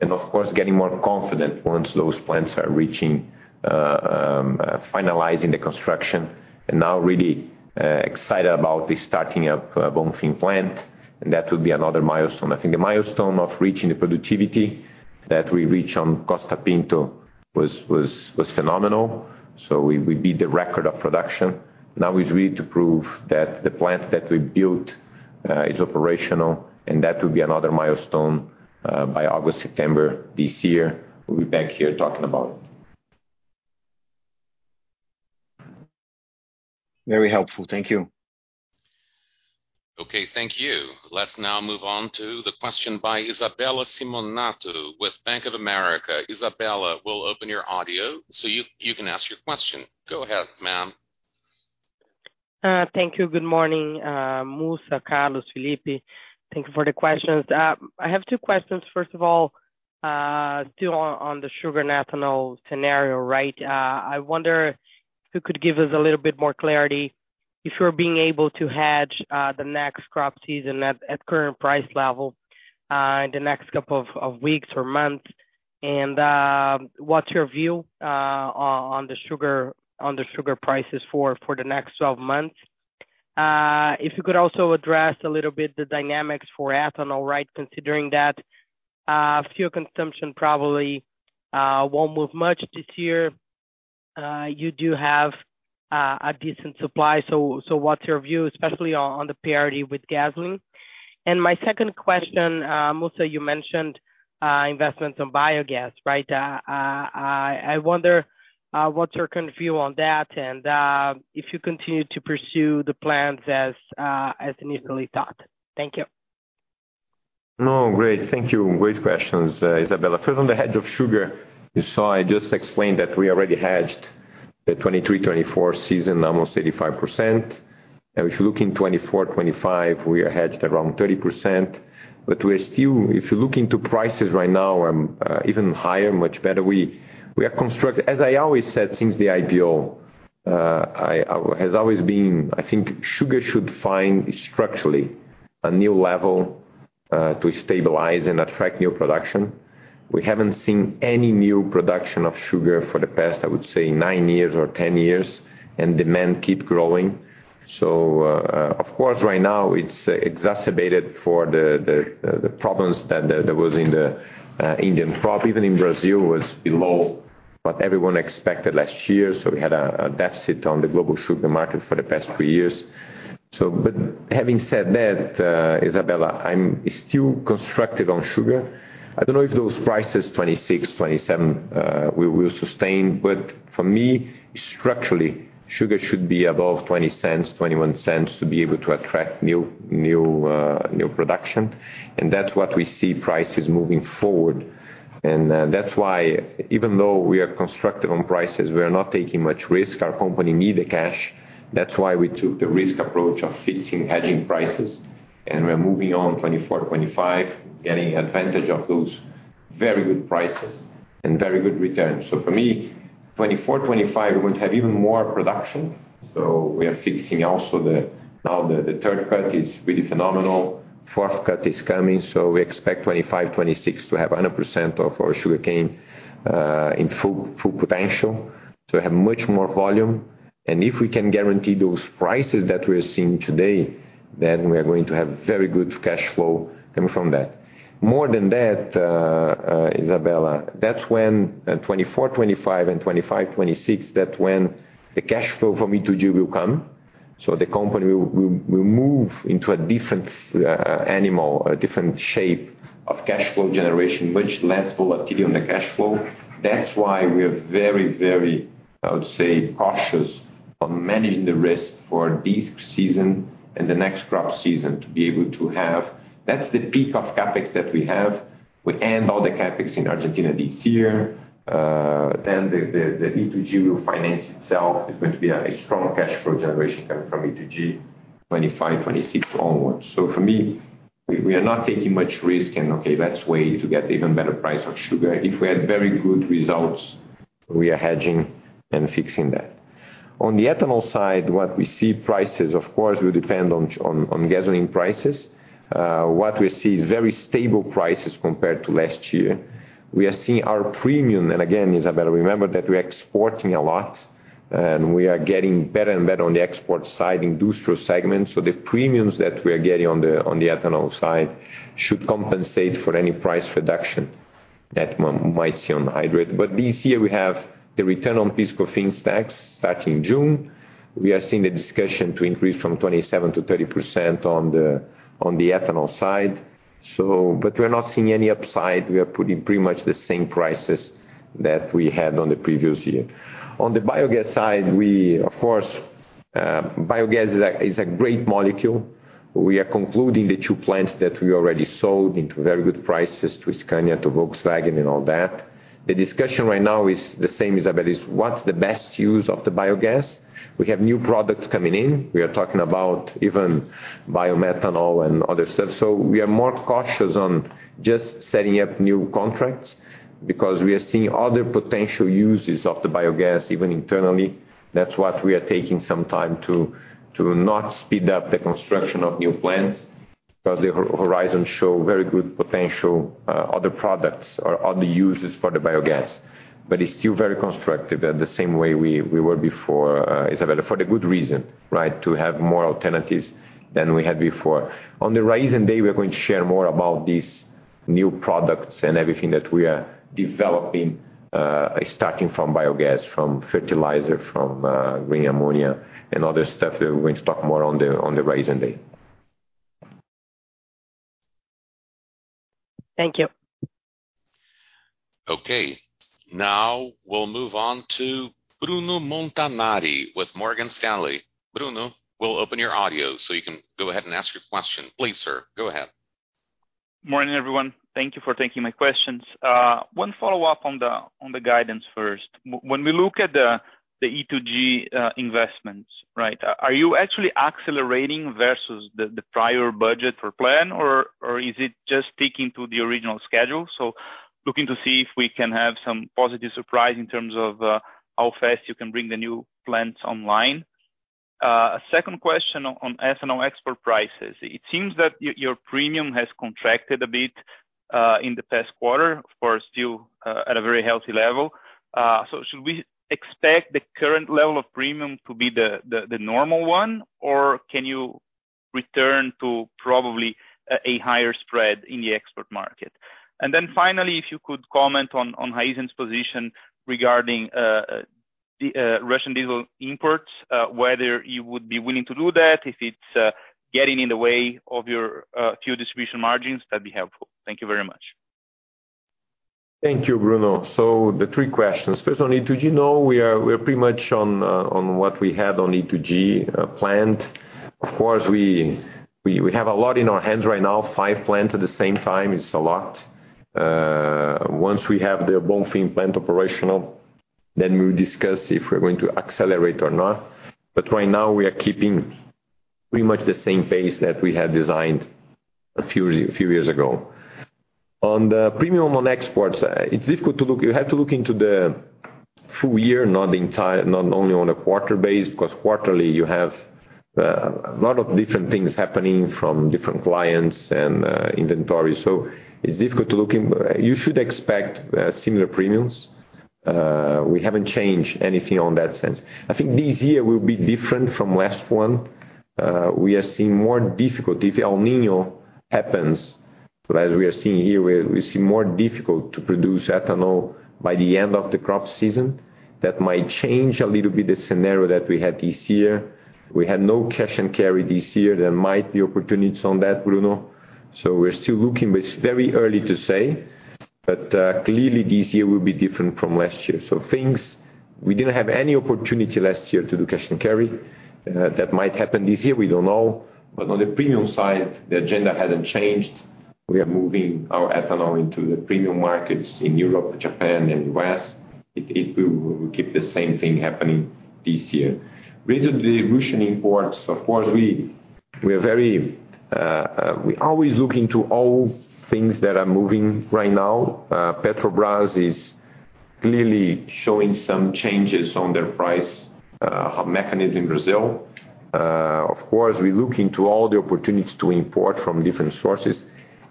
Of course, getting more confident once those plants are reaching finalizing the construction, now really excited about the starting up Bonfim plant. That will be another milestone. I think the milestone of reaching the productivity that we reach on Costa Pinto was phenomenal. We beat the record of production. Now is really to prove that the plant that we built is operational and that will be another milestone by August, September this year. We'll be back here talking about it. Very helpful. Thank you. Okay, thank you. Let's now move on to the question by Isabella Simonato with Bank of America. Isabella, we'll open your audio so you can ask your question. Go ahead, ma'am. Thank you. Good morning, Ricardo Mussa, Carlos Moura, Felipe Casella. Thank you for the questions. I have two questions. First of all, still on the sugar and ethanol scenario, right? I wonder who could give us a little bit more clarity if you're being able to hedge the next crop season at current price level in the next couple of weeks or months, and what's your view on the sugar prices for the next 12 months? If you could also address a little bit the dynamics for ethanol, right? Considering that fuel consumption probably won't move much this year. You do have a decent supply, so what's your view, especially on the parity with gasoline? My second question, Ricardo Mussa, you mentioned investments on biogas, right? I wonder what's your current view on that, and if you continue to pursue the plans as initially thought. Thank you. Great. Thank you. Great questions, Isabella. First on the hedge of Sugar, you saw I just explained that we already hedged the 2023, 2024 season almost 85%. If you look in 2024, 2025, we are hedged around 30%. We are still, if you look into prices right now, even higher, much better. As I always said since the IPO, has always been, I think Sugar should find structurally a new level to stabilize and attract new production. We haven't seen any new production of sugar for the past, I would say nine years or 10 years, and demand keep growing. Of course, right now it's exacerbated for the problems that there was in the Indian crop. Even in Brazil was below what everyone expected last year, so we had a deficit on the global sugar market for the past three years. Having said that, Isabella, I'm still constructed on Sugar. I don't know if those prices, $0.26, $0.27, we will sustain. For me, structurally, Sugar should be above $0.20, $0.21 to be able to attract new production, and that's what we see prices moving forward. That's why even though we are constructive on prices, we are not taking much risk. Our company need the cash. That's why we took the risk approach of fixing hedging prices, and we're moving on 2024, 2025, getting advantage of those very good prices and very good returns. For me, 2024, 2025 we're going to have even more production, so we are fixing also the... Now the third cut is really phenomenal. Fourth cut is coming, we expect 2025, 2026 to have 100% of our sugarcane in full potential to have much more volume. If we can guarantee those prices that we're seeing today, we are going to have very good cash flow coming from that. More than that, Isabella, that's when 2024, 2025 and 2025, 2026, that's when the cash flow from E2G will come. The company will move into a different animal, a different shape of cash flow generation, much less volatility on the cash flow. That's why we are very, very, I would say, cautious on managing the risk for this season and the next crop season to be able to have. That's the peak of CapEx that we have. We end all the CapEx in Argentina this year. The E2G will finance itself. It's going to be a strong cash flow generation coming from E2G, 2025, 2026 onwards. For me, we are not taking much risk and okay, let's wait to get even better price of sugar. If we had very good results, we are hedging and fixing that. On the ethanol side, what we see prices, of course, will depend on gasoline prices. What we see is very stable prices compared to last year. We are seeing our premium, and again, Isabella, remember that we're exporting a lot, and we are getting better and better on the export side industrial segment. The premiums that we are getting on the ethanol side should compensate for any price reduction that might see on hydrous. This year we have the return on PIS/COFINS tax starting June. We are seeing the discussion to increase from 27% to 30% on the ethanol side. We're not seeing any upside. We are putting pretty much the same prices that we had on the previous year. On the biogas side, we of course, biogas is a great molecule. We are concluding the two plants that we already sold into very good prices to Scania, to Volkswagen and all that. The discussion right now is the same as Isabella's. What's the best use of the biogas? We have new products coming in. We are talking about even biomethanol and other stuff. We are more cautious on just setting up new contracts because we are seeing other potential uses of the biogas even internally. That's what we are taking some time to not speed up the construction of new plants because the horizon show very good potential, other products or other uses for the biogas. It's still very constructive and the same way we were before, Isabella for the good reason, right? To have more alternatives than we had before. On the Raízen Day, we are going to share more about these new products and everything that we are developing, starting from biogas, from fertilizer, from green ammonia and other stuff. We're going to talk more on the Raízen Day. Thank you. Okay. Now we'll move on to Bruno Montanari with Morgan Stanley. Bruno, we'll open your audio so you can go ahead and ask your question. Please, sir, go ahead. Morning, everyone. Thank you for taking my questions. One follow-up on the guidance first. When we look at the E2G investments, right? Are you actually accelerating versus the prior budget for plan, or is it just sticking to the original schedule? Looking to see if we can have some positive surprise in terms of how fast you can bring the new plants online. A second question on ethanol export prices. It seems that your premium has contracted a bit in the past quarter, of course, still at a very healthy level. Should we expect the current level of premium to be the normal one, or can you return to probably a higher spread in the export market? Finally, if you could comment on Raízen's position regarding the Russian diesel imports, whether you would be willing to do that if it's getting in the way of your fuel distribution margins, that'd be helpful. Thank you very much. Thank you, Bruno. The three questions. First, on E2G, no, we are, we're pretty much on what we had on E2G planned. Of course, we have a lot in our hands right now, five plants at the same time, it's a lot. Once we have the Bonfim plant operational, we'll discuss if we're going to accelerate or not. Right now we are keeping pretty much the same pace that we had designed a few years ago. On the premium on exports, it's difficult to look. You have to look into the full year, not only on a quarter base, because quarterly you have a lot of different things happening from different clients and inventory. It's difficult to look in. You should expect similar premiums. We haven't changed anything on that sense. I think this year will be different from last one. We are seeing more difficulty. If El Niño happens, but as we are seeing here, we see more difficult to produce ethanol by the end of the crop season. That might change a little bit the scenario that we had this year. We had no cash and carry this year. There might be opportunities on that, Bruno. We're still looking, but it's very early to say. Clearly, this year will be different from last year. Things... We didn't have any opportunity last year to do cash and carry. That might happen this year, we don't know. On the premium side, the agenda hasn't changed. We are moving our ethanol into the premium markets in Europe, Japan and U.S. It will, we'll keep the same thing happening this year. Recently, Russian imports, of course, we always look into all things that are moving right now. Petrobras is clearly showing some changes on their price mechanism in Brazil. Of course, we look into all the opportunities to import from different sources.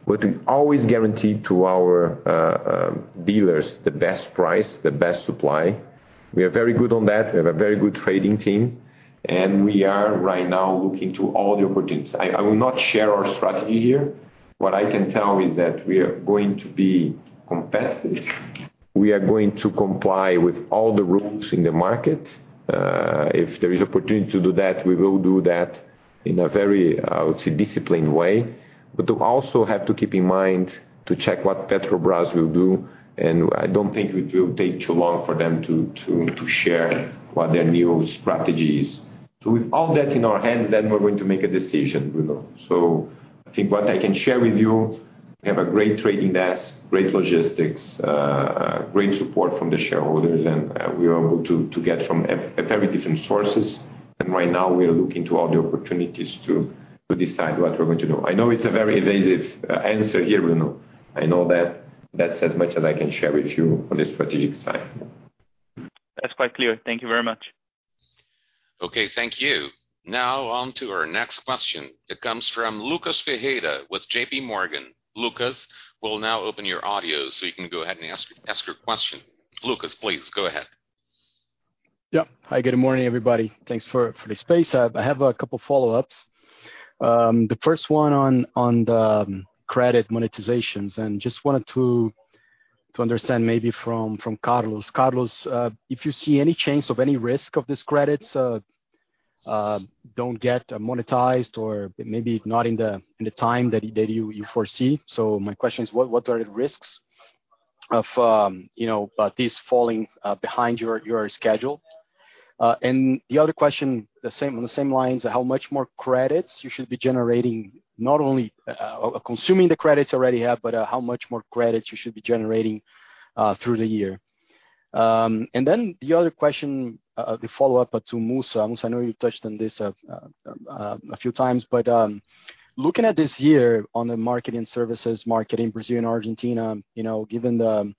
We always guarantee to our dealers the best price, the best supply. We are very good on that. We have a very good trading team, we are right now looking to all the opportunities. I will not share our strategy here. What I can tell is that we are going to be competitive. We are going to comply with all the rules in the market. If there is opportunity to do that, we will do that in a very, I would say disciplined way. To also have to keep in mind to check what Petrobras will do, and I don't think it will take too long for them to share what their new strategy is. With all that in our hands, then we're going to make a decision, Bruno. I think what I can share with you, we have a great trading desk, great logistics, great support from the shareholders, and we are able to get from a very different sources. Right now we are looking to all the opportunities to decide what we're going to do. I know it's a very evasive answer here, Bruno. I know that. That's as much as I can share with you on the strategic side. That's quite clear. Thank you very much. Okay. Thank you. Now on to our next question. It comes from Lucas Ferreira with JPMorgan. Lucas, we'll now open your audio so you can go ahead and ask your question. Lucas, please go ahead. Hi, good morning, everybody. Thanks for the space. I have a couple follow-ups. The first one on the credit monetizations. Just wanted to understand maybe from Carlos. Carlos, if you see any chance of any risk of these credits don't get monetized or maybe not in the time that you foresee. My question is what are the risks of, you know, this falling behind your schedule? And the other question, on the same lines, how much more credits you should be generating, not only consuming the credits you already have, but how much more credits you should be generating through the year? And then the other question, the follow-up to Ricardo Mussa. Mussa, I know you touched on this, a few times. Looking at this year on the marketing services, market in Brazil and Argentina, you know, given the,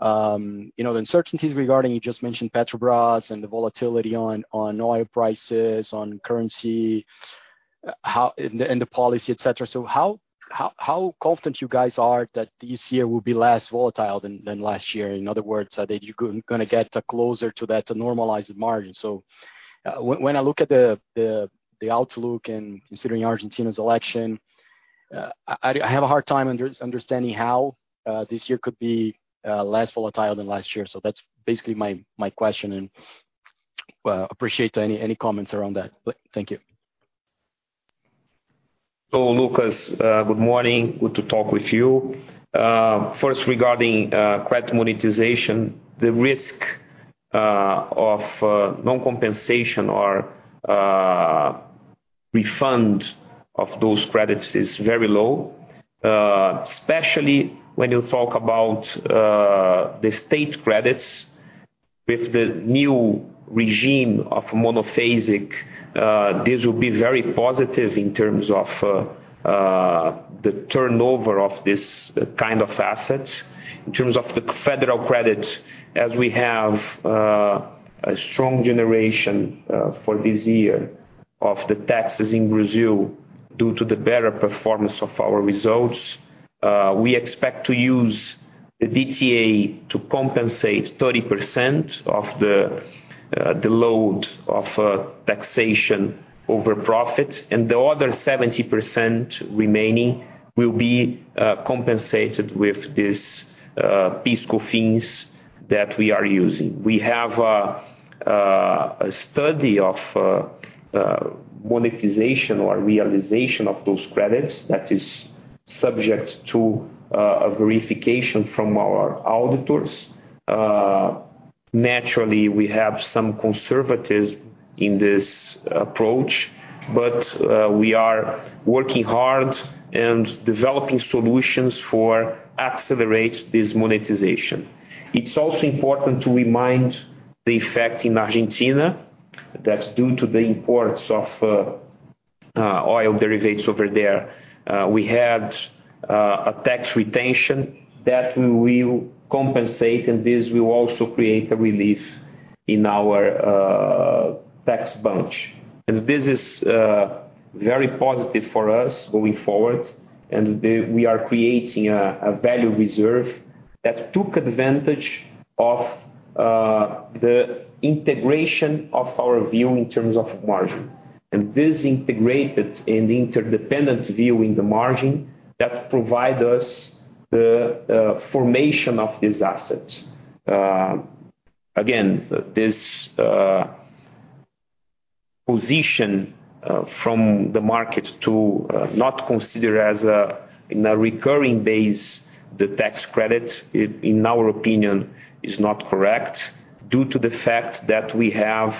you know, the uncertainties regarding, you just mentioned Petrobras and the volatility on oil prices, on currency, and the policy, et cetera. How confident you guys are that this year will be less volatile than last year? In other words, are that you gonna get closer to that normalized margin. When I look at the outlook and considering Argentina's election, I have a hard time understanding how this year could be less volatile than last year. That's basically my question, and, well, appreciate any comments around that. Thank you. Lucas, good morning. Good to talk with you. First regarding credit monetization. The risk of non-compensation or refund of those credits is very low, especially when you talk about the state credits with the new regime of monophasic, this will be very positive in terms of the turnover of this kind of asset. In terms of the federal credits, as we have a strong generation for this year of the taxes in Brazil due to the better performance of our results, we expect to use the DTA to compensate 30% of the load of taxation over profit. The other 70% remaining will be compensated with this fiscal fees that we are using. We have a study of monetization or realization of those credits that is subject to a verification from our auditors. Naturally, we have some conservatives in this approach, but we are working hard and developing solutions for accelerate this monetization. It's also important to remind the effect in Argentina that's due to the imports of oil derivatives over there. We had a tax retention that we will compensate, this will also create a relief in our tax bunch. This is very positive for us going forward. We are creating a value reserve that took advantage of the integration of our view in terms of margin. This integrated and interdependent view in the margin that provide us the formation of this asset. Again, this position from the market to not consider as a, in a recurring base, the tax credit, in our opinion, is not correct due to the fact that we have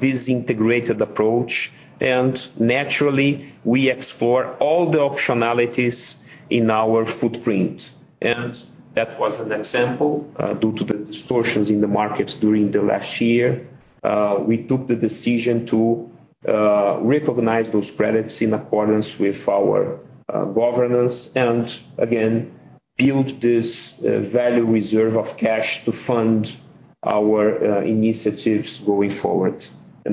this integrated approach. Naturally, we explore all the optionalities in our footprint. That was an example, due to the distortions in the markets during the last year, we took the decision to recognize those credits in accordance with our governance and again, build this value reserve of cash to fund our initiatives going forward.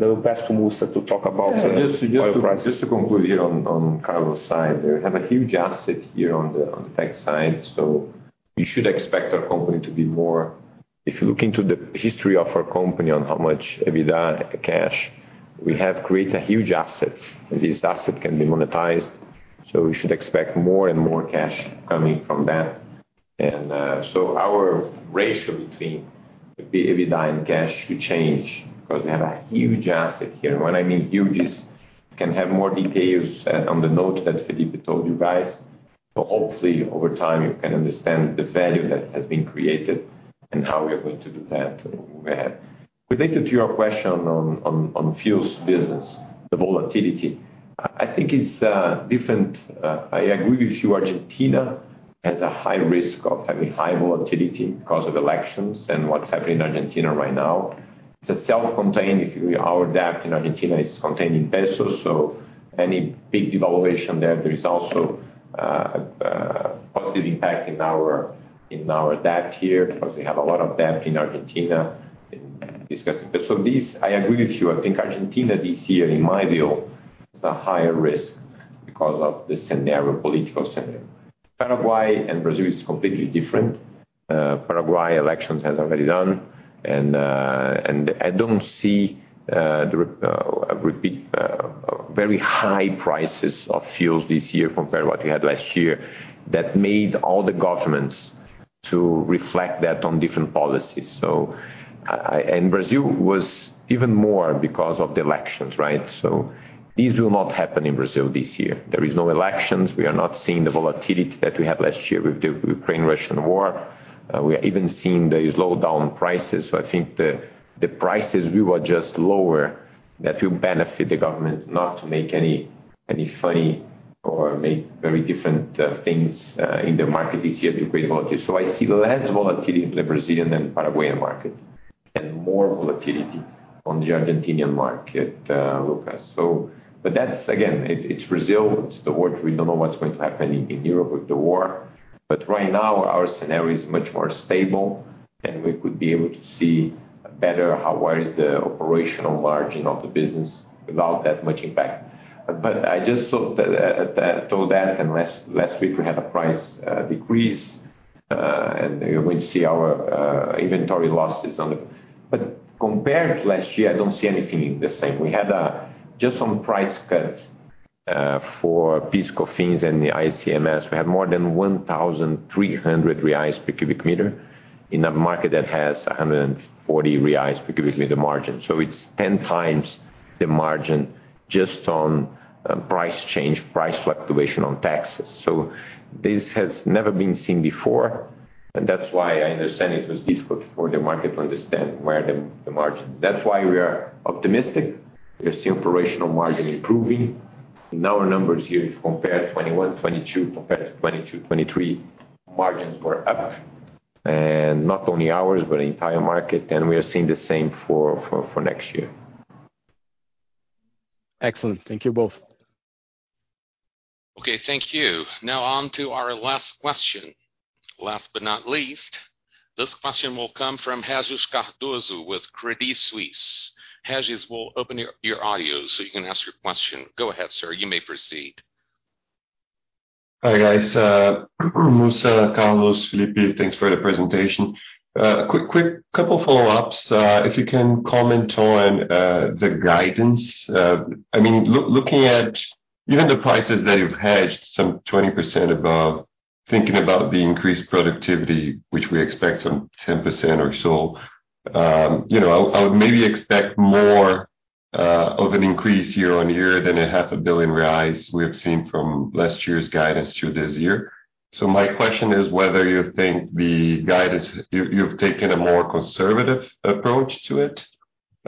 I'll pass to Mussa to talk about oil prices. Yeah. Just to conclude here on Carlos' side. We have a huge asset here on the tax side, so you should expect our company to be more... If you look into the history of our company on how much EBITDA cash, we have created a huge asset, and this asset can be monetized, so we should expect more and more cash coming from that. So our ratio between EBITDA and cash should change because we have a huge asset here. When I mean huge is you can have more details on the note that Felipe told you guys. Hopefully, over time you can understand the value that has been created and how we are going to do that to move ahead. Related to your question on fuels business, the volatility, I think it's different. I agree with you, Argentina has a high risk of having high volatility because of elections and what's happening in Argentina right now. It's a self-contained. Our debt in Argentina is contained in pesos, so any big devaluation there is also a positive impact in our, in our debt here because we have a lot of debt in Argentina in discussing this. This, I agree with you. I think Argentina this year, in my view, is a higher risk because of the scenario, political scenario. Paraguay and Brazil is completely different. Paraguay elections has already done, I don't see a repeat very high prices of fuels this year compared to what we had last year that made all the governments to reflect that on different policies. Brazil was even more because of the elections, right? This will not happen in Brazil this year. There is no elections. We are not seeing the volatility that we had last year with the Ukraine-Russian war. We are even seeing these low down prices. I think the prices will adjust lower. That will benefit the government not to make any funny or make very different things in the market this year to create volatility. I see less volatility in the Brazilian and Paraguayan market, and more volatility on the Argentinian market, Lucas. That's again, it's Brazil, it's the world. We don't know what's going to happen in Europe with the war. Right now, our scenario is much more stable, and we could be able to see better how, where is the operational margin of the business without that much impact. I just thought that told that and last week we had a price decrease, and we're going to see our inventory losses on it. Compared to last year, I don't see anything the same. We had just some price cuts for PIS/COFINS and the ICMS. We had more than 1,300 reais per cubic meter in a market that has 140 reais per cubic meter margin. It's 10x the margin just on price change, price fluctuation on taxes. This has never been seen before, and that's why I understand it was difficult for the market to understand where the margins. That's why we are optimistic. We see operational margin improving. In our numbers here, if you compare 2021, 2022 compared to 2022, 2023, margins were up. Not only ours, but the entire market, and we are seeing the same for next year. Excellent. Thank you both. Okay, thank you. Now on to our last question. Last but not least, this question will come from Regis Cardoso with Credit Suisse. Regis, we'll open your audio so you can ask your question. Go ahead, sir. You may proceed. Hi, guys. Mussa, Carlos, Felipe, thanks for the presentation. quick couple follow-ups. If you can comment on the guidance. I mean, looking at even the prices that you've hedged some 20% above, thinking about the increased productivity, which we expect some 10% or so, you know, I'll maybe expect more of an increase year-on-year than a half a billion BRL we have seen from last year's guidance to this year. My question is whether you think the guidance, you've taken a more conservative approach to it,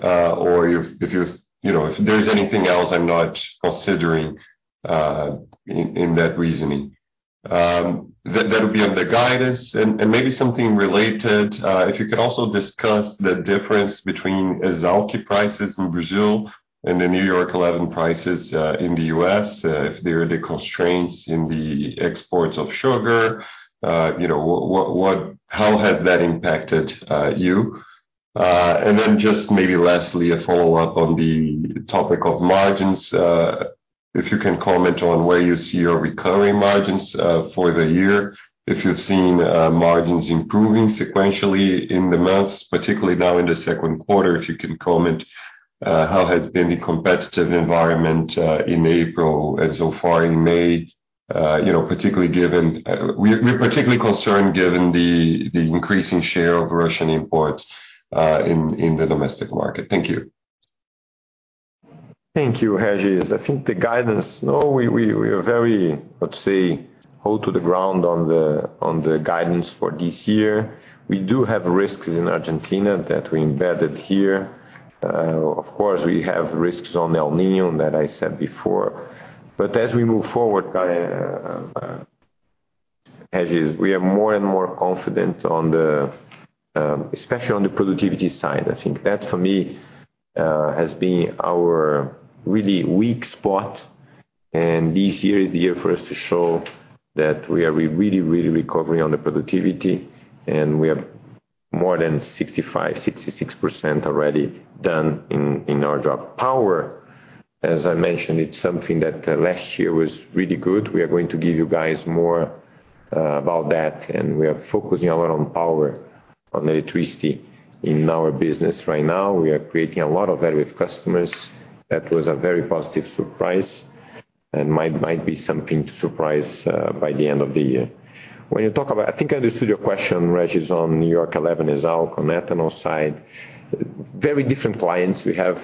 or if you've, you know, if there's anything else I'm not considering in that reasoning? That would be on the guidance and maybe something related, if you could also discuss the difference between Esalq prices in Brazil and the New York No. 11 prices in the U.S., if there are any constraints in the exports of sugar, you know, how has that impacted you? Just maybe lastly, a follow-up on the topic of margins. If you can comment on where you see your recovery margins for the year, if you've seen margins improving sequentially in the months, particularly now in the second quarter. If you can comment how has been the competitive environment in April and so far in May, you know, particularly given We're particularly concerned given the increasing share of Russian imports in the domestic market. Thank you. Thank you, Regis. I think the guidance, we are very hold to the ground on the guidance for this year. We do have risks in Argentina that we embedded here. Of course, we have risks on El Niño that I said before. As we move forward, Regis, we are more and more confident on the especially on the productivity side. I think that for me has been our really weak spot, and this year is the year for us to show that we are really recovering on the productivity, and we are more than 65%, 66% already done in our job. Power, as I mentioned, it's something that last year was really good. We are going to give you guys more about that. We are focusing a lot on power, on electricity in our business right now. We are creating a lot of value with customers. That was a very positive surprise and might be something to surprise by the end of the year. When you talk about I think I understood your question, Regis, on New York No. 11 Esalq on ethanol side. Very different clients. We have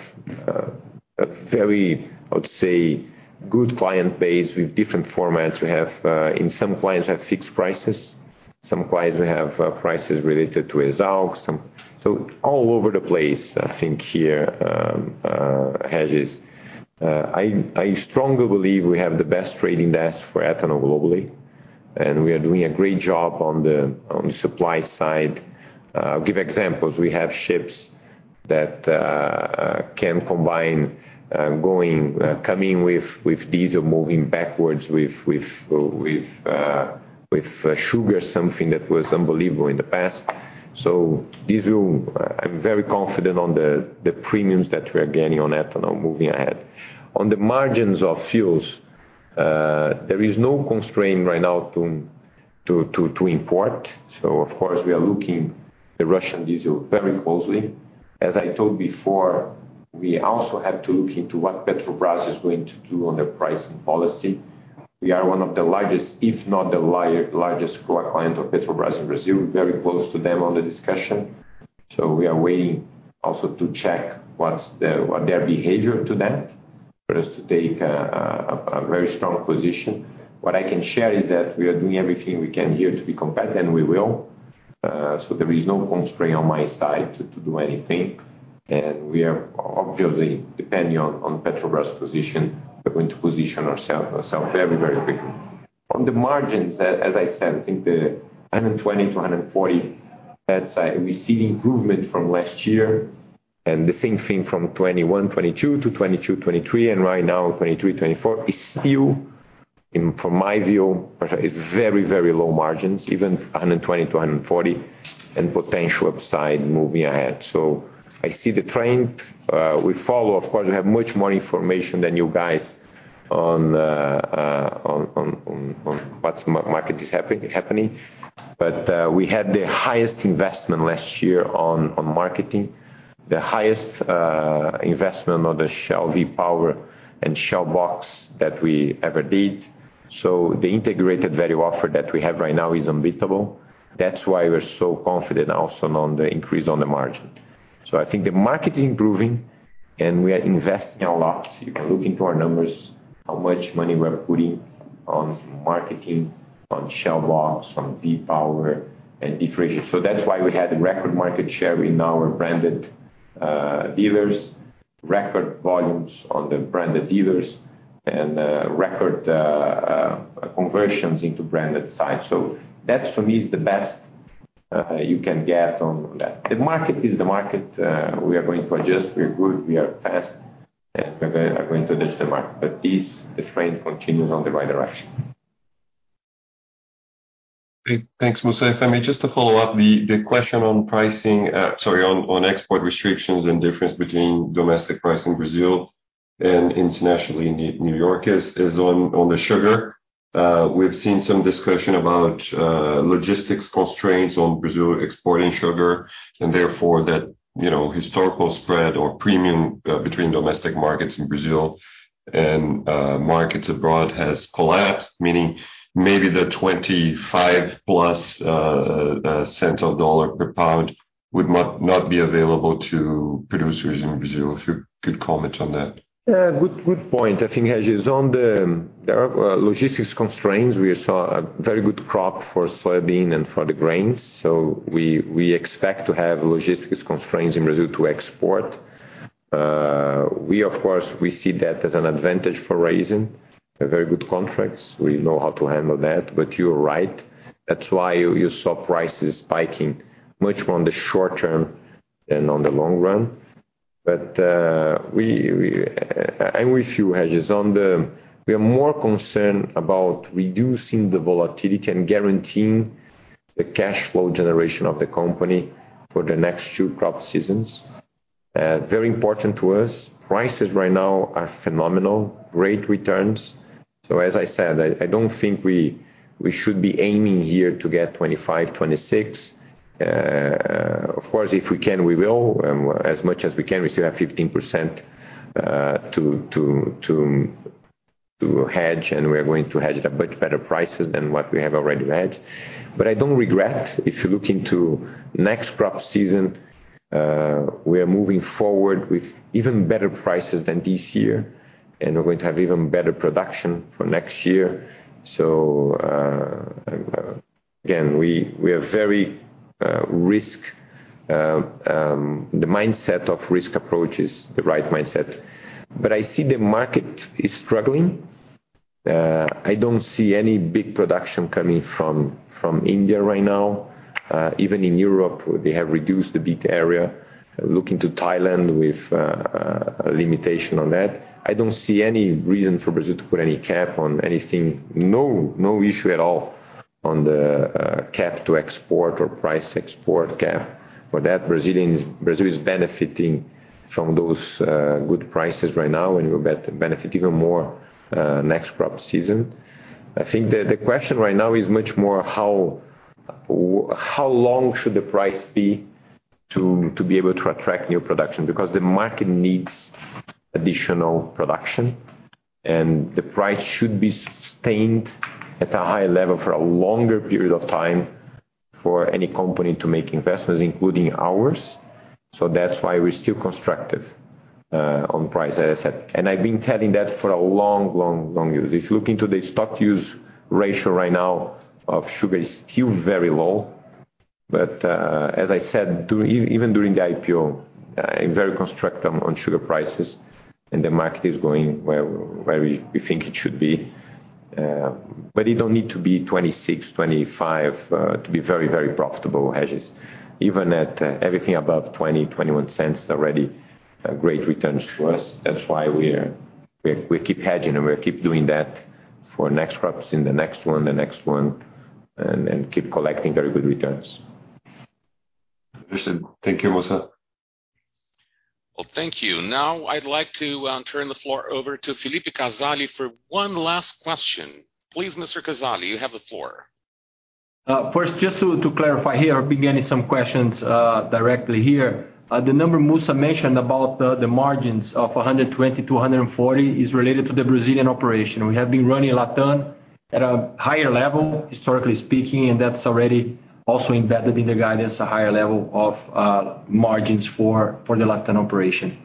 a very, I would say, good client base with different formats. We have in some clients have fixed prices, some clients we have prices related to Esalq, some. All over the place, I think here, Regis. I strongly believe we have the best trading desk for ethanol globally. We are doing a great job on the supply side. I'll give examples. We have ships that can combine going, coming with diesel, moving backwards with, with Sugar, something that was unbelievable in the past. This will I'm very confident on the premiums that we are gaining on ethanol moving ahead. On the margins of fuels, there is no constraint right now to import. Of course, we are looking the Russian diesel very closely. As I told before, we also have to look into what Petrobras is going to do on their pricing policy. We are one of the largest, if not the largest client of Petrobras in Brazil, very close to them on the discussion. We are waiting also to check what's the What their behavior to that for us to take a very strong position. What I can share is that we are doing everything we can here to be competitive, and we will. There is no constraint on my side to do anything. We are obviously depending on Petrobras position. We're going to position ourself very, very quickly. On the margins, as I said, I think the 120-140, that's, we see improvement from last year and the same thing from 2021-2022 to 2022-2023, and right now 2023-2024 is still, in from my view, is very, very low margins, even 120-140 and potential upside moving ahead. I see the trend we follow. Of course, we have much more information than you guys on the market is happening. We had the highest investment last year on marketing, the highest investment on the Shell V-Power and Shell Box that we ever did. The integrated value offer that we have right now is unbeatable. That's why we're so confident also on the increase on the margin. I think the market is improving, and we are investing a lot. If you look into our numbers, how much money we're putting on marketing, on Shell Box, on V-Power and differentiation. That's why we had record market share in our branded dealers, record volumes on the branded dealers and record conversions into branded sites. That for me is the best you can get on that. The market is the market. We are going to adjust. We're good. We are fast, and we're going to adjust the market. This, the trend continues on the right direction. Great. Thanks, Mussa. If I may just to follow up the question on pricing, sorry, on export restrictions and difference between domestic price in Brazil and internationally in New York is on the sugar. We've seen some discussion about logistics constraints on Brazil exporting sugar and therefore that, you know, historical spread or premium between domestic markets in Brazil and markets abroad has collapsed. Meaning maybe the 25+ cent of dollar per pound would not be available to producers in Brazil. If you could comment on that? Yeah, good point. I think as is on the logistics constraints, we saw a very good crop for soybean and for the grains. We expect to have logistics constraints in Brazil to export. We of course, we see that as an advantage for Raízen a very good contracts. We know how to handle that, but you're right. That's why you saw prices spiking much more on the short term than on the long run. I'm with you, Regis Cardoso. We are more concerned about reducing the volatility and guaranteeing the cash flow generation of the company for the next two crop seasons. Very important to us. Prices right now are phenomenal, great returns. As I said, I don't think we should be aiming here to get $0.25-$0.26. Of course, if we can, we will. As much as we can, we still have 15% to hedge, and we are going to hedge at much better prices than what we have already hedged. I don't regret. If you look into next crop season, we are moving forward with even better prices than this year, and we're going to have even better production for next year. Again, we are very risk. The mindset of risk approach is the right mindset. I see the market is struggling. I don't see any big production coming from India right now. Even in Europe, they have reduced the beet area. Looking to Thailand with a limitation on that. I don't see any reason for Brazil to put any cap on anything. No, no issue at all on the cap to export or price export cap. Brazil is benefiting from those good prices right now, and we'll benefit even more next crop season. The question right now is much more how long should the price be to be able to attract new production? Because the market needs additional production, and the price should be sustained at a high level for a longer period of time for any company to make investments, including ours. That's why we're still constructive on price, as I said. I've been telling that for a long, long, long years. If you look into the stocks-to-use ratio right now of sugar is still very low. As I said, even during the IPO, I'm very constructive on sugar prices, and the market is going where we think it should be. It don't need to be $0.26, $0.25, to be very, very profitable, Regis. Even at everything above $0.20, $0.21 is already a great return to us. That's why we keep hedging, and we'll keep doing that for next crops in the next one, the next one, and keep collecting very good returns. Understood. Thank you, Mussa. Well, thank you. I'd like to turn the floor over to Felipe Casella for one last question. Please, Mr. Casella, you have the floor. First, just to clarify here, beginning some questions directly here. The number Mussa mentioned about the margins of 120-140 is related to the Brazilian operation. We have been running Latam at a higher level, historically speaking, and that's already also embedded in the guidance, a higher level of margins for the Latam operation.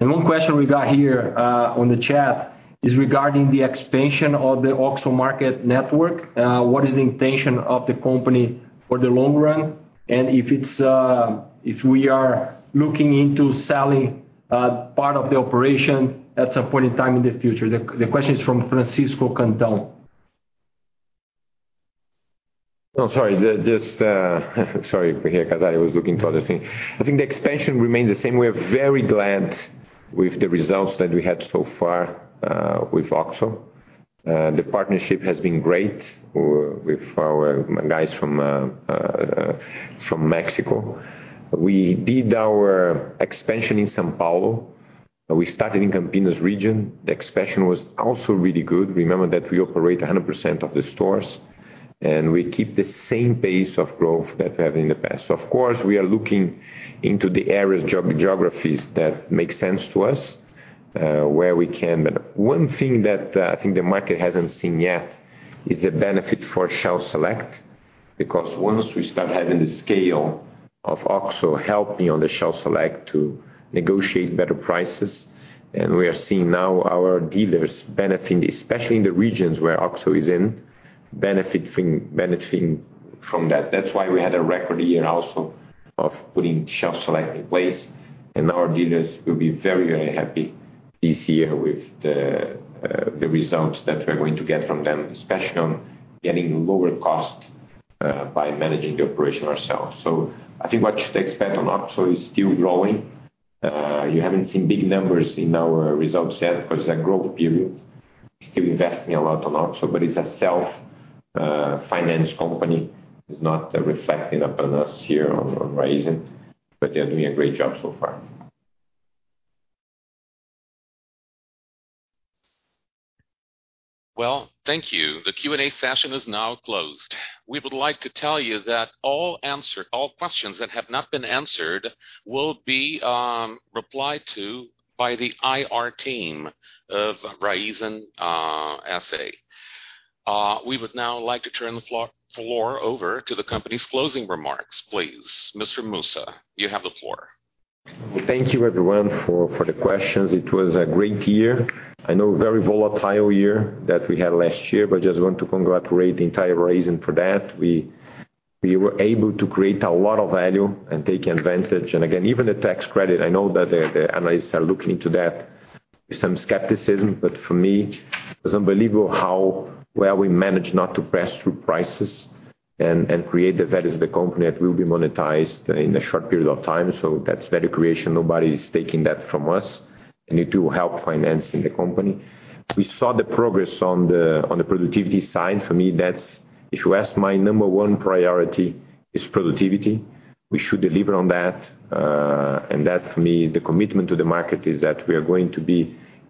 One question we got here on the chat is regarding the expansion of the OXXO market network. What is the intention of the company for the long run? If we are looking into selling part of the operation at some point in time in the future. The question is from Francisco Gante. No, sorry. Just, sorry, Casella, I was looking to other thing. I think the expansion remains the same. We are very glad with the results that we had so far with OXXO. The partnership has been great with our guys from Mexico. We did our expansion in São Paulo. We started in Campinas region. The expansion was also really good. Remember that we operate 100% of the stores, and we keep the same pace of growth that we have in the past. Of course, we are looking into the geographies that make sense to us, where we can. One thing that I think the market hasn't seen yet is the benefit for Shell Select, because once we start having the scale of OXXO helping on the Shell Select to negotiate better prices, and we are seeing now our dealers benefiting, especially in the regions where OXXO is in, benefiting from that. That's why we had a record year also of putting Shell Select in place, and our dealers will be very, very happy this year with the results that we're going to get from them, especially on getting lower cost by managing the operation ourselves. I think what you should expect on OXXO is still growing. You haven't seen big numbers in our results yet because it's a growth period. We're still investing a lot on OXXO, but it's a self finance company. It's not reflecting upon us here on Raízen, but they're doing a great job so far. Thank you. The Q&A session is now closed. We would like to tell you that all questions that have not been answered will be replied to by the IR team of Raízen S.A. We would now like to turn the floor over to the company's closing remarks. Please, Mr. Mussa, you have the floor. Thank you everyone for the questions. It was a great year. I know very volatile year that we had last year, just want to congratulate the entire Raízen for that. We were able to create a lot of value and take advantage. Again, even the tax credit, I know that the analysts are looking into that with some skepticism, for me, it was unbelievable how well we managed not to pass through prices and create the values of the company that will be monetized in a short period of time. That's value creation. Nobody's taking that from us, it will help financing the company. We saw the progress on the productivity side. For me, if you ask my number one priority is productivity. We should deliver on that. That for me, the commitment to the market is that we are going to be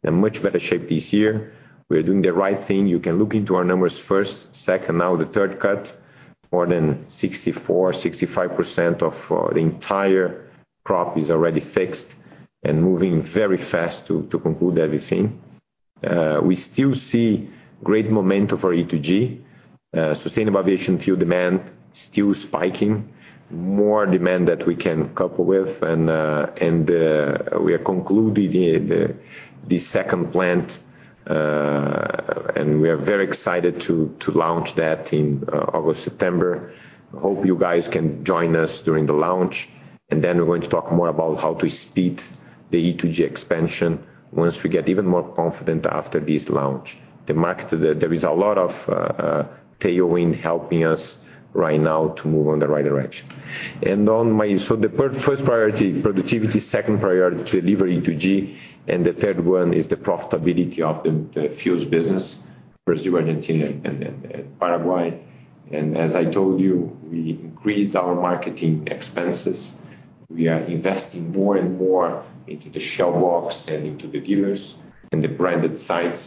in much better shape this year. We are doing the right thing. You can look into our numbers first, second, now the third cut. More than 64%, 65% of the entire crop is already fixed and moving very fast to conclude everything. We still see great momentum for E2G. Sustainable aviation fuel demand still spiking. More demand that we can couple with, and we are concluding the second plant, and we are very excited to launch that in August, September. Hope you guys can join us during the launch. Then we're going to talk more about how to speed the E2G expansion once we get even more confident after this launch. The market, there is a lot of tailwind helping us right now to move on the right direction. First priority, productivity, second priority, deliver E2G, and the third one is the profitability of the fuels business, Brazil, Argentina, and Paraguay. As I told you, we increased our marketing expenses. We are investing more and more into the Shell Box and into the dealers and the branded sites.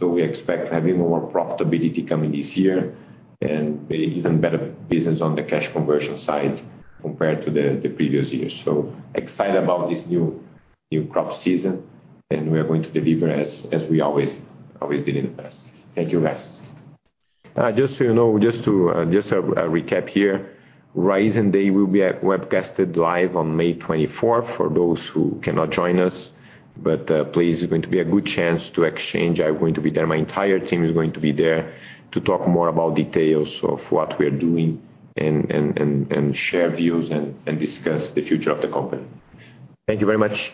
We expect to have even more profitability coming this year and even better business on the cash conversion side compared to the previous years. Excited about this new crop season. We are going to deliver as we always did in the past. Thank you, guys. Just so you know, just a recap here. Raízen Day will be webcasted live on May 24th for those who cannot join us. Please, it's going to be a good chance to exchange. I'm going to be there. My entire team is going to be there to talk more about details of what we are doing and share views and discuss the future of the company. Thank you very much.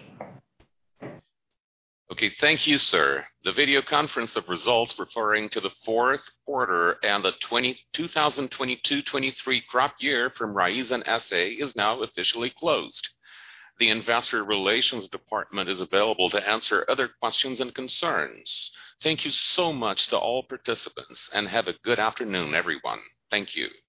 Okay, thank you, sir. The video conference of results referring to the fourth quarter and the 2022-2023 crop year from Raízen S.A. is now officially closed. The investor relations department is available to answer other questions and concerns. Thank you so much to all participants, and have a good afternoon, everyone. Thank you.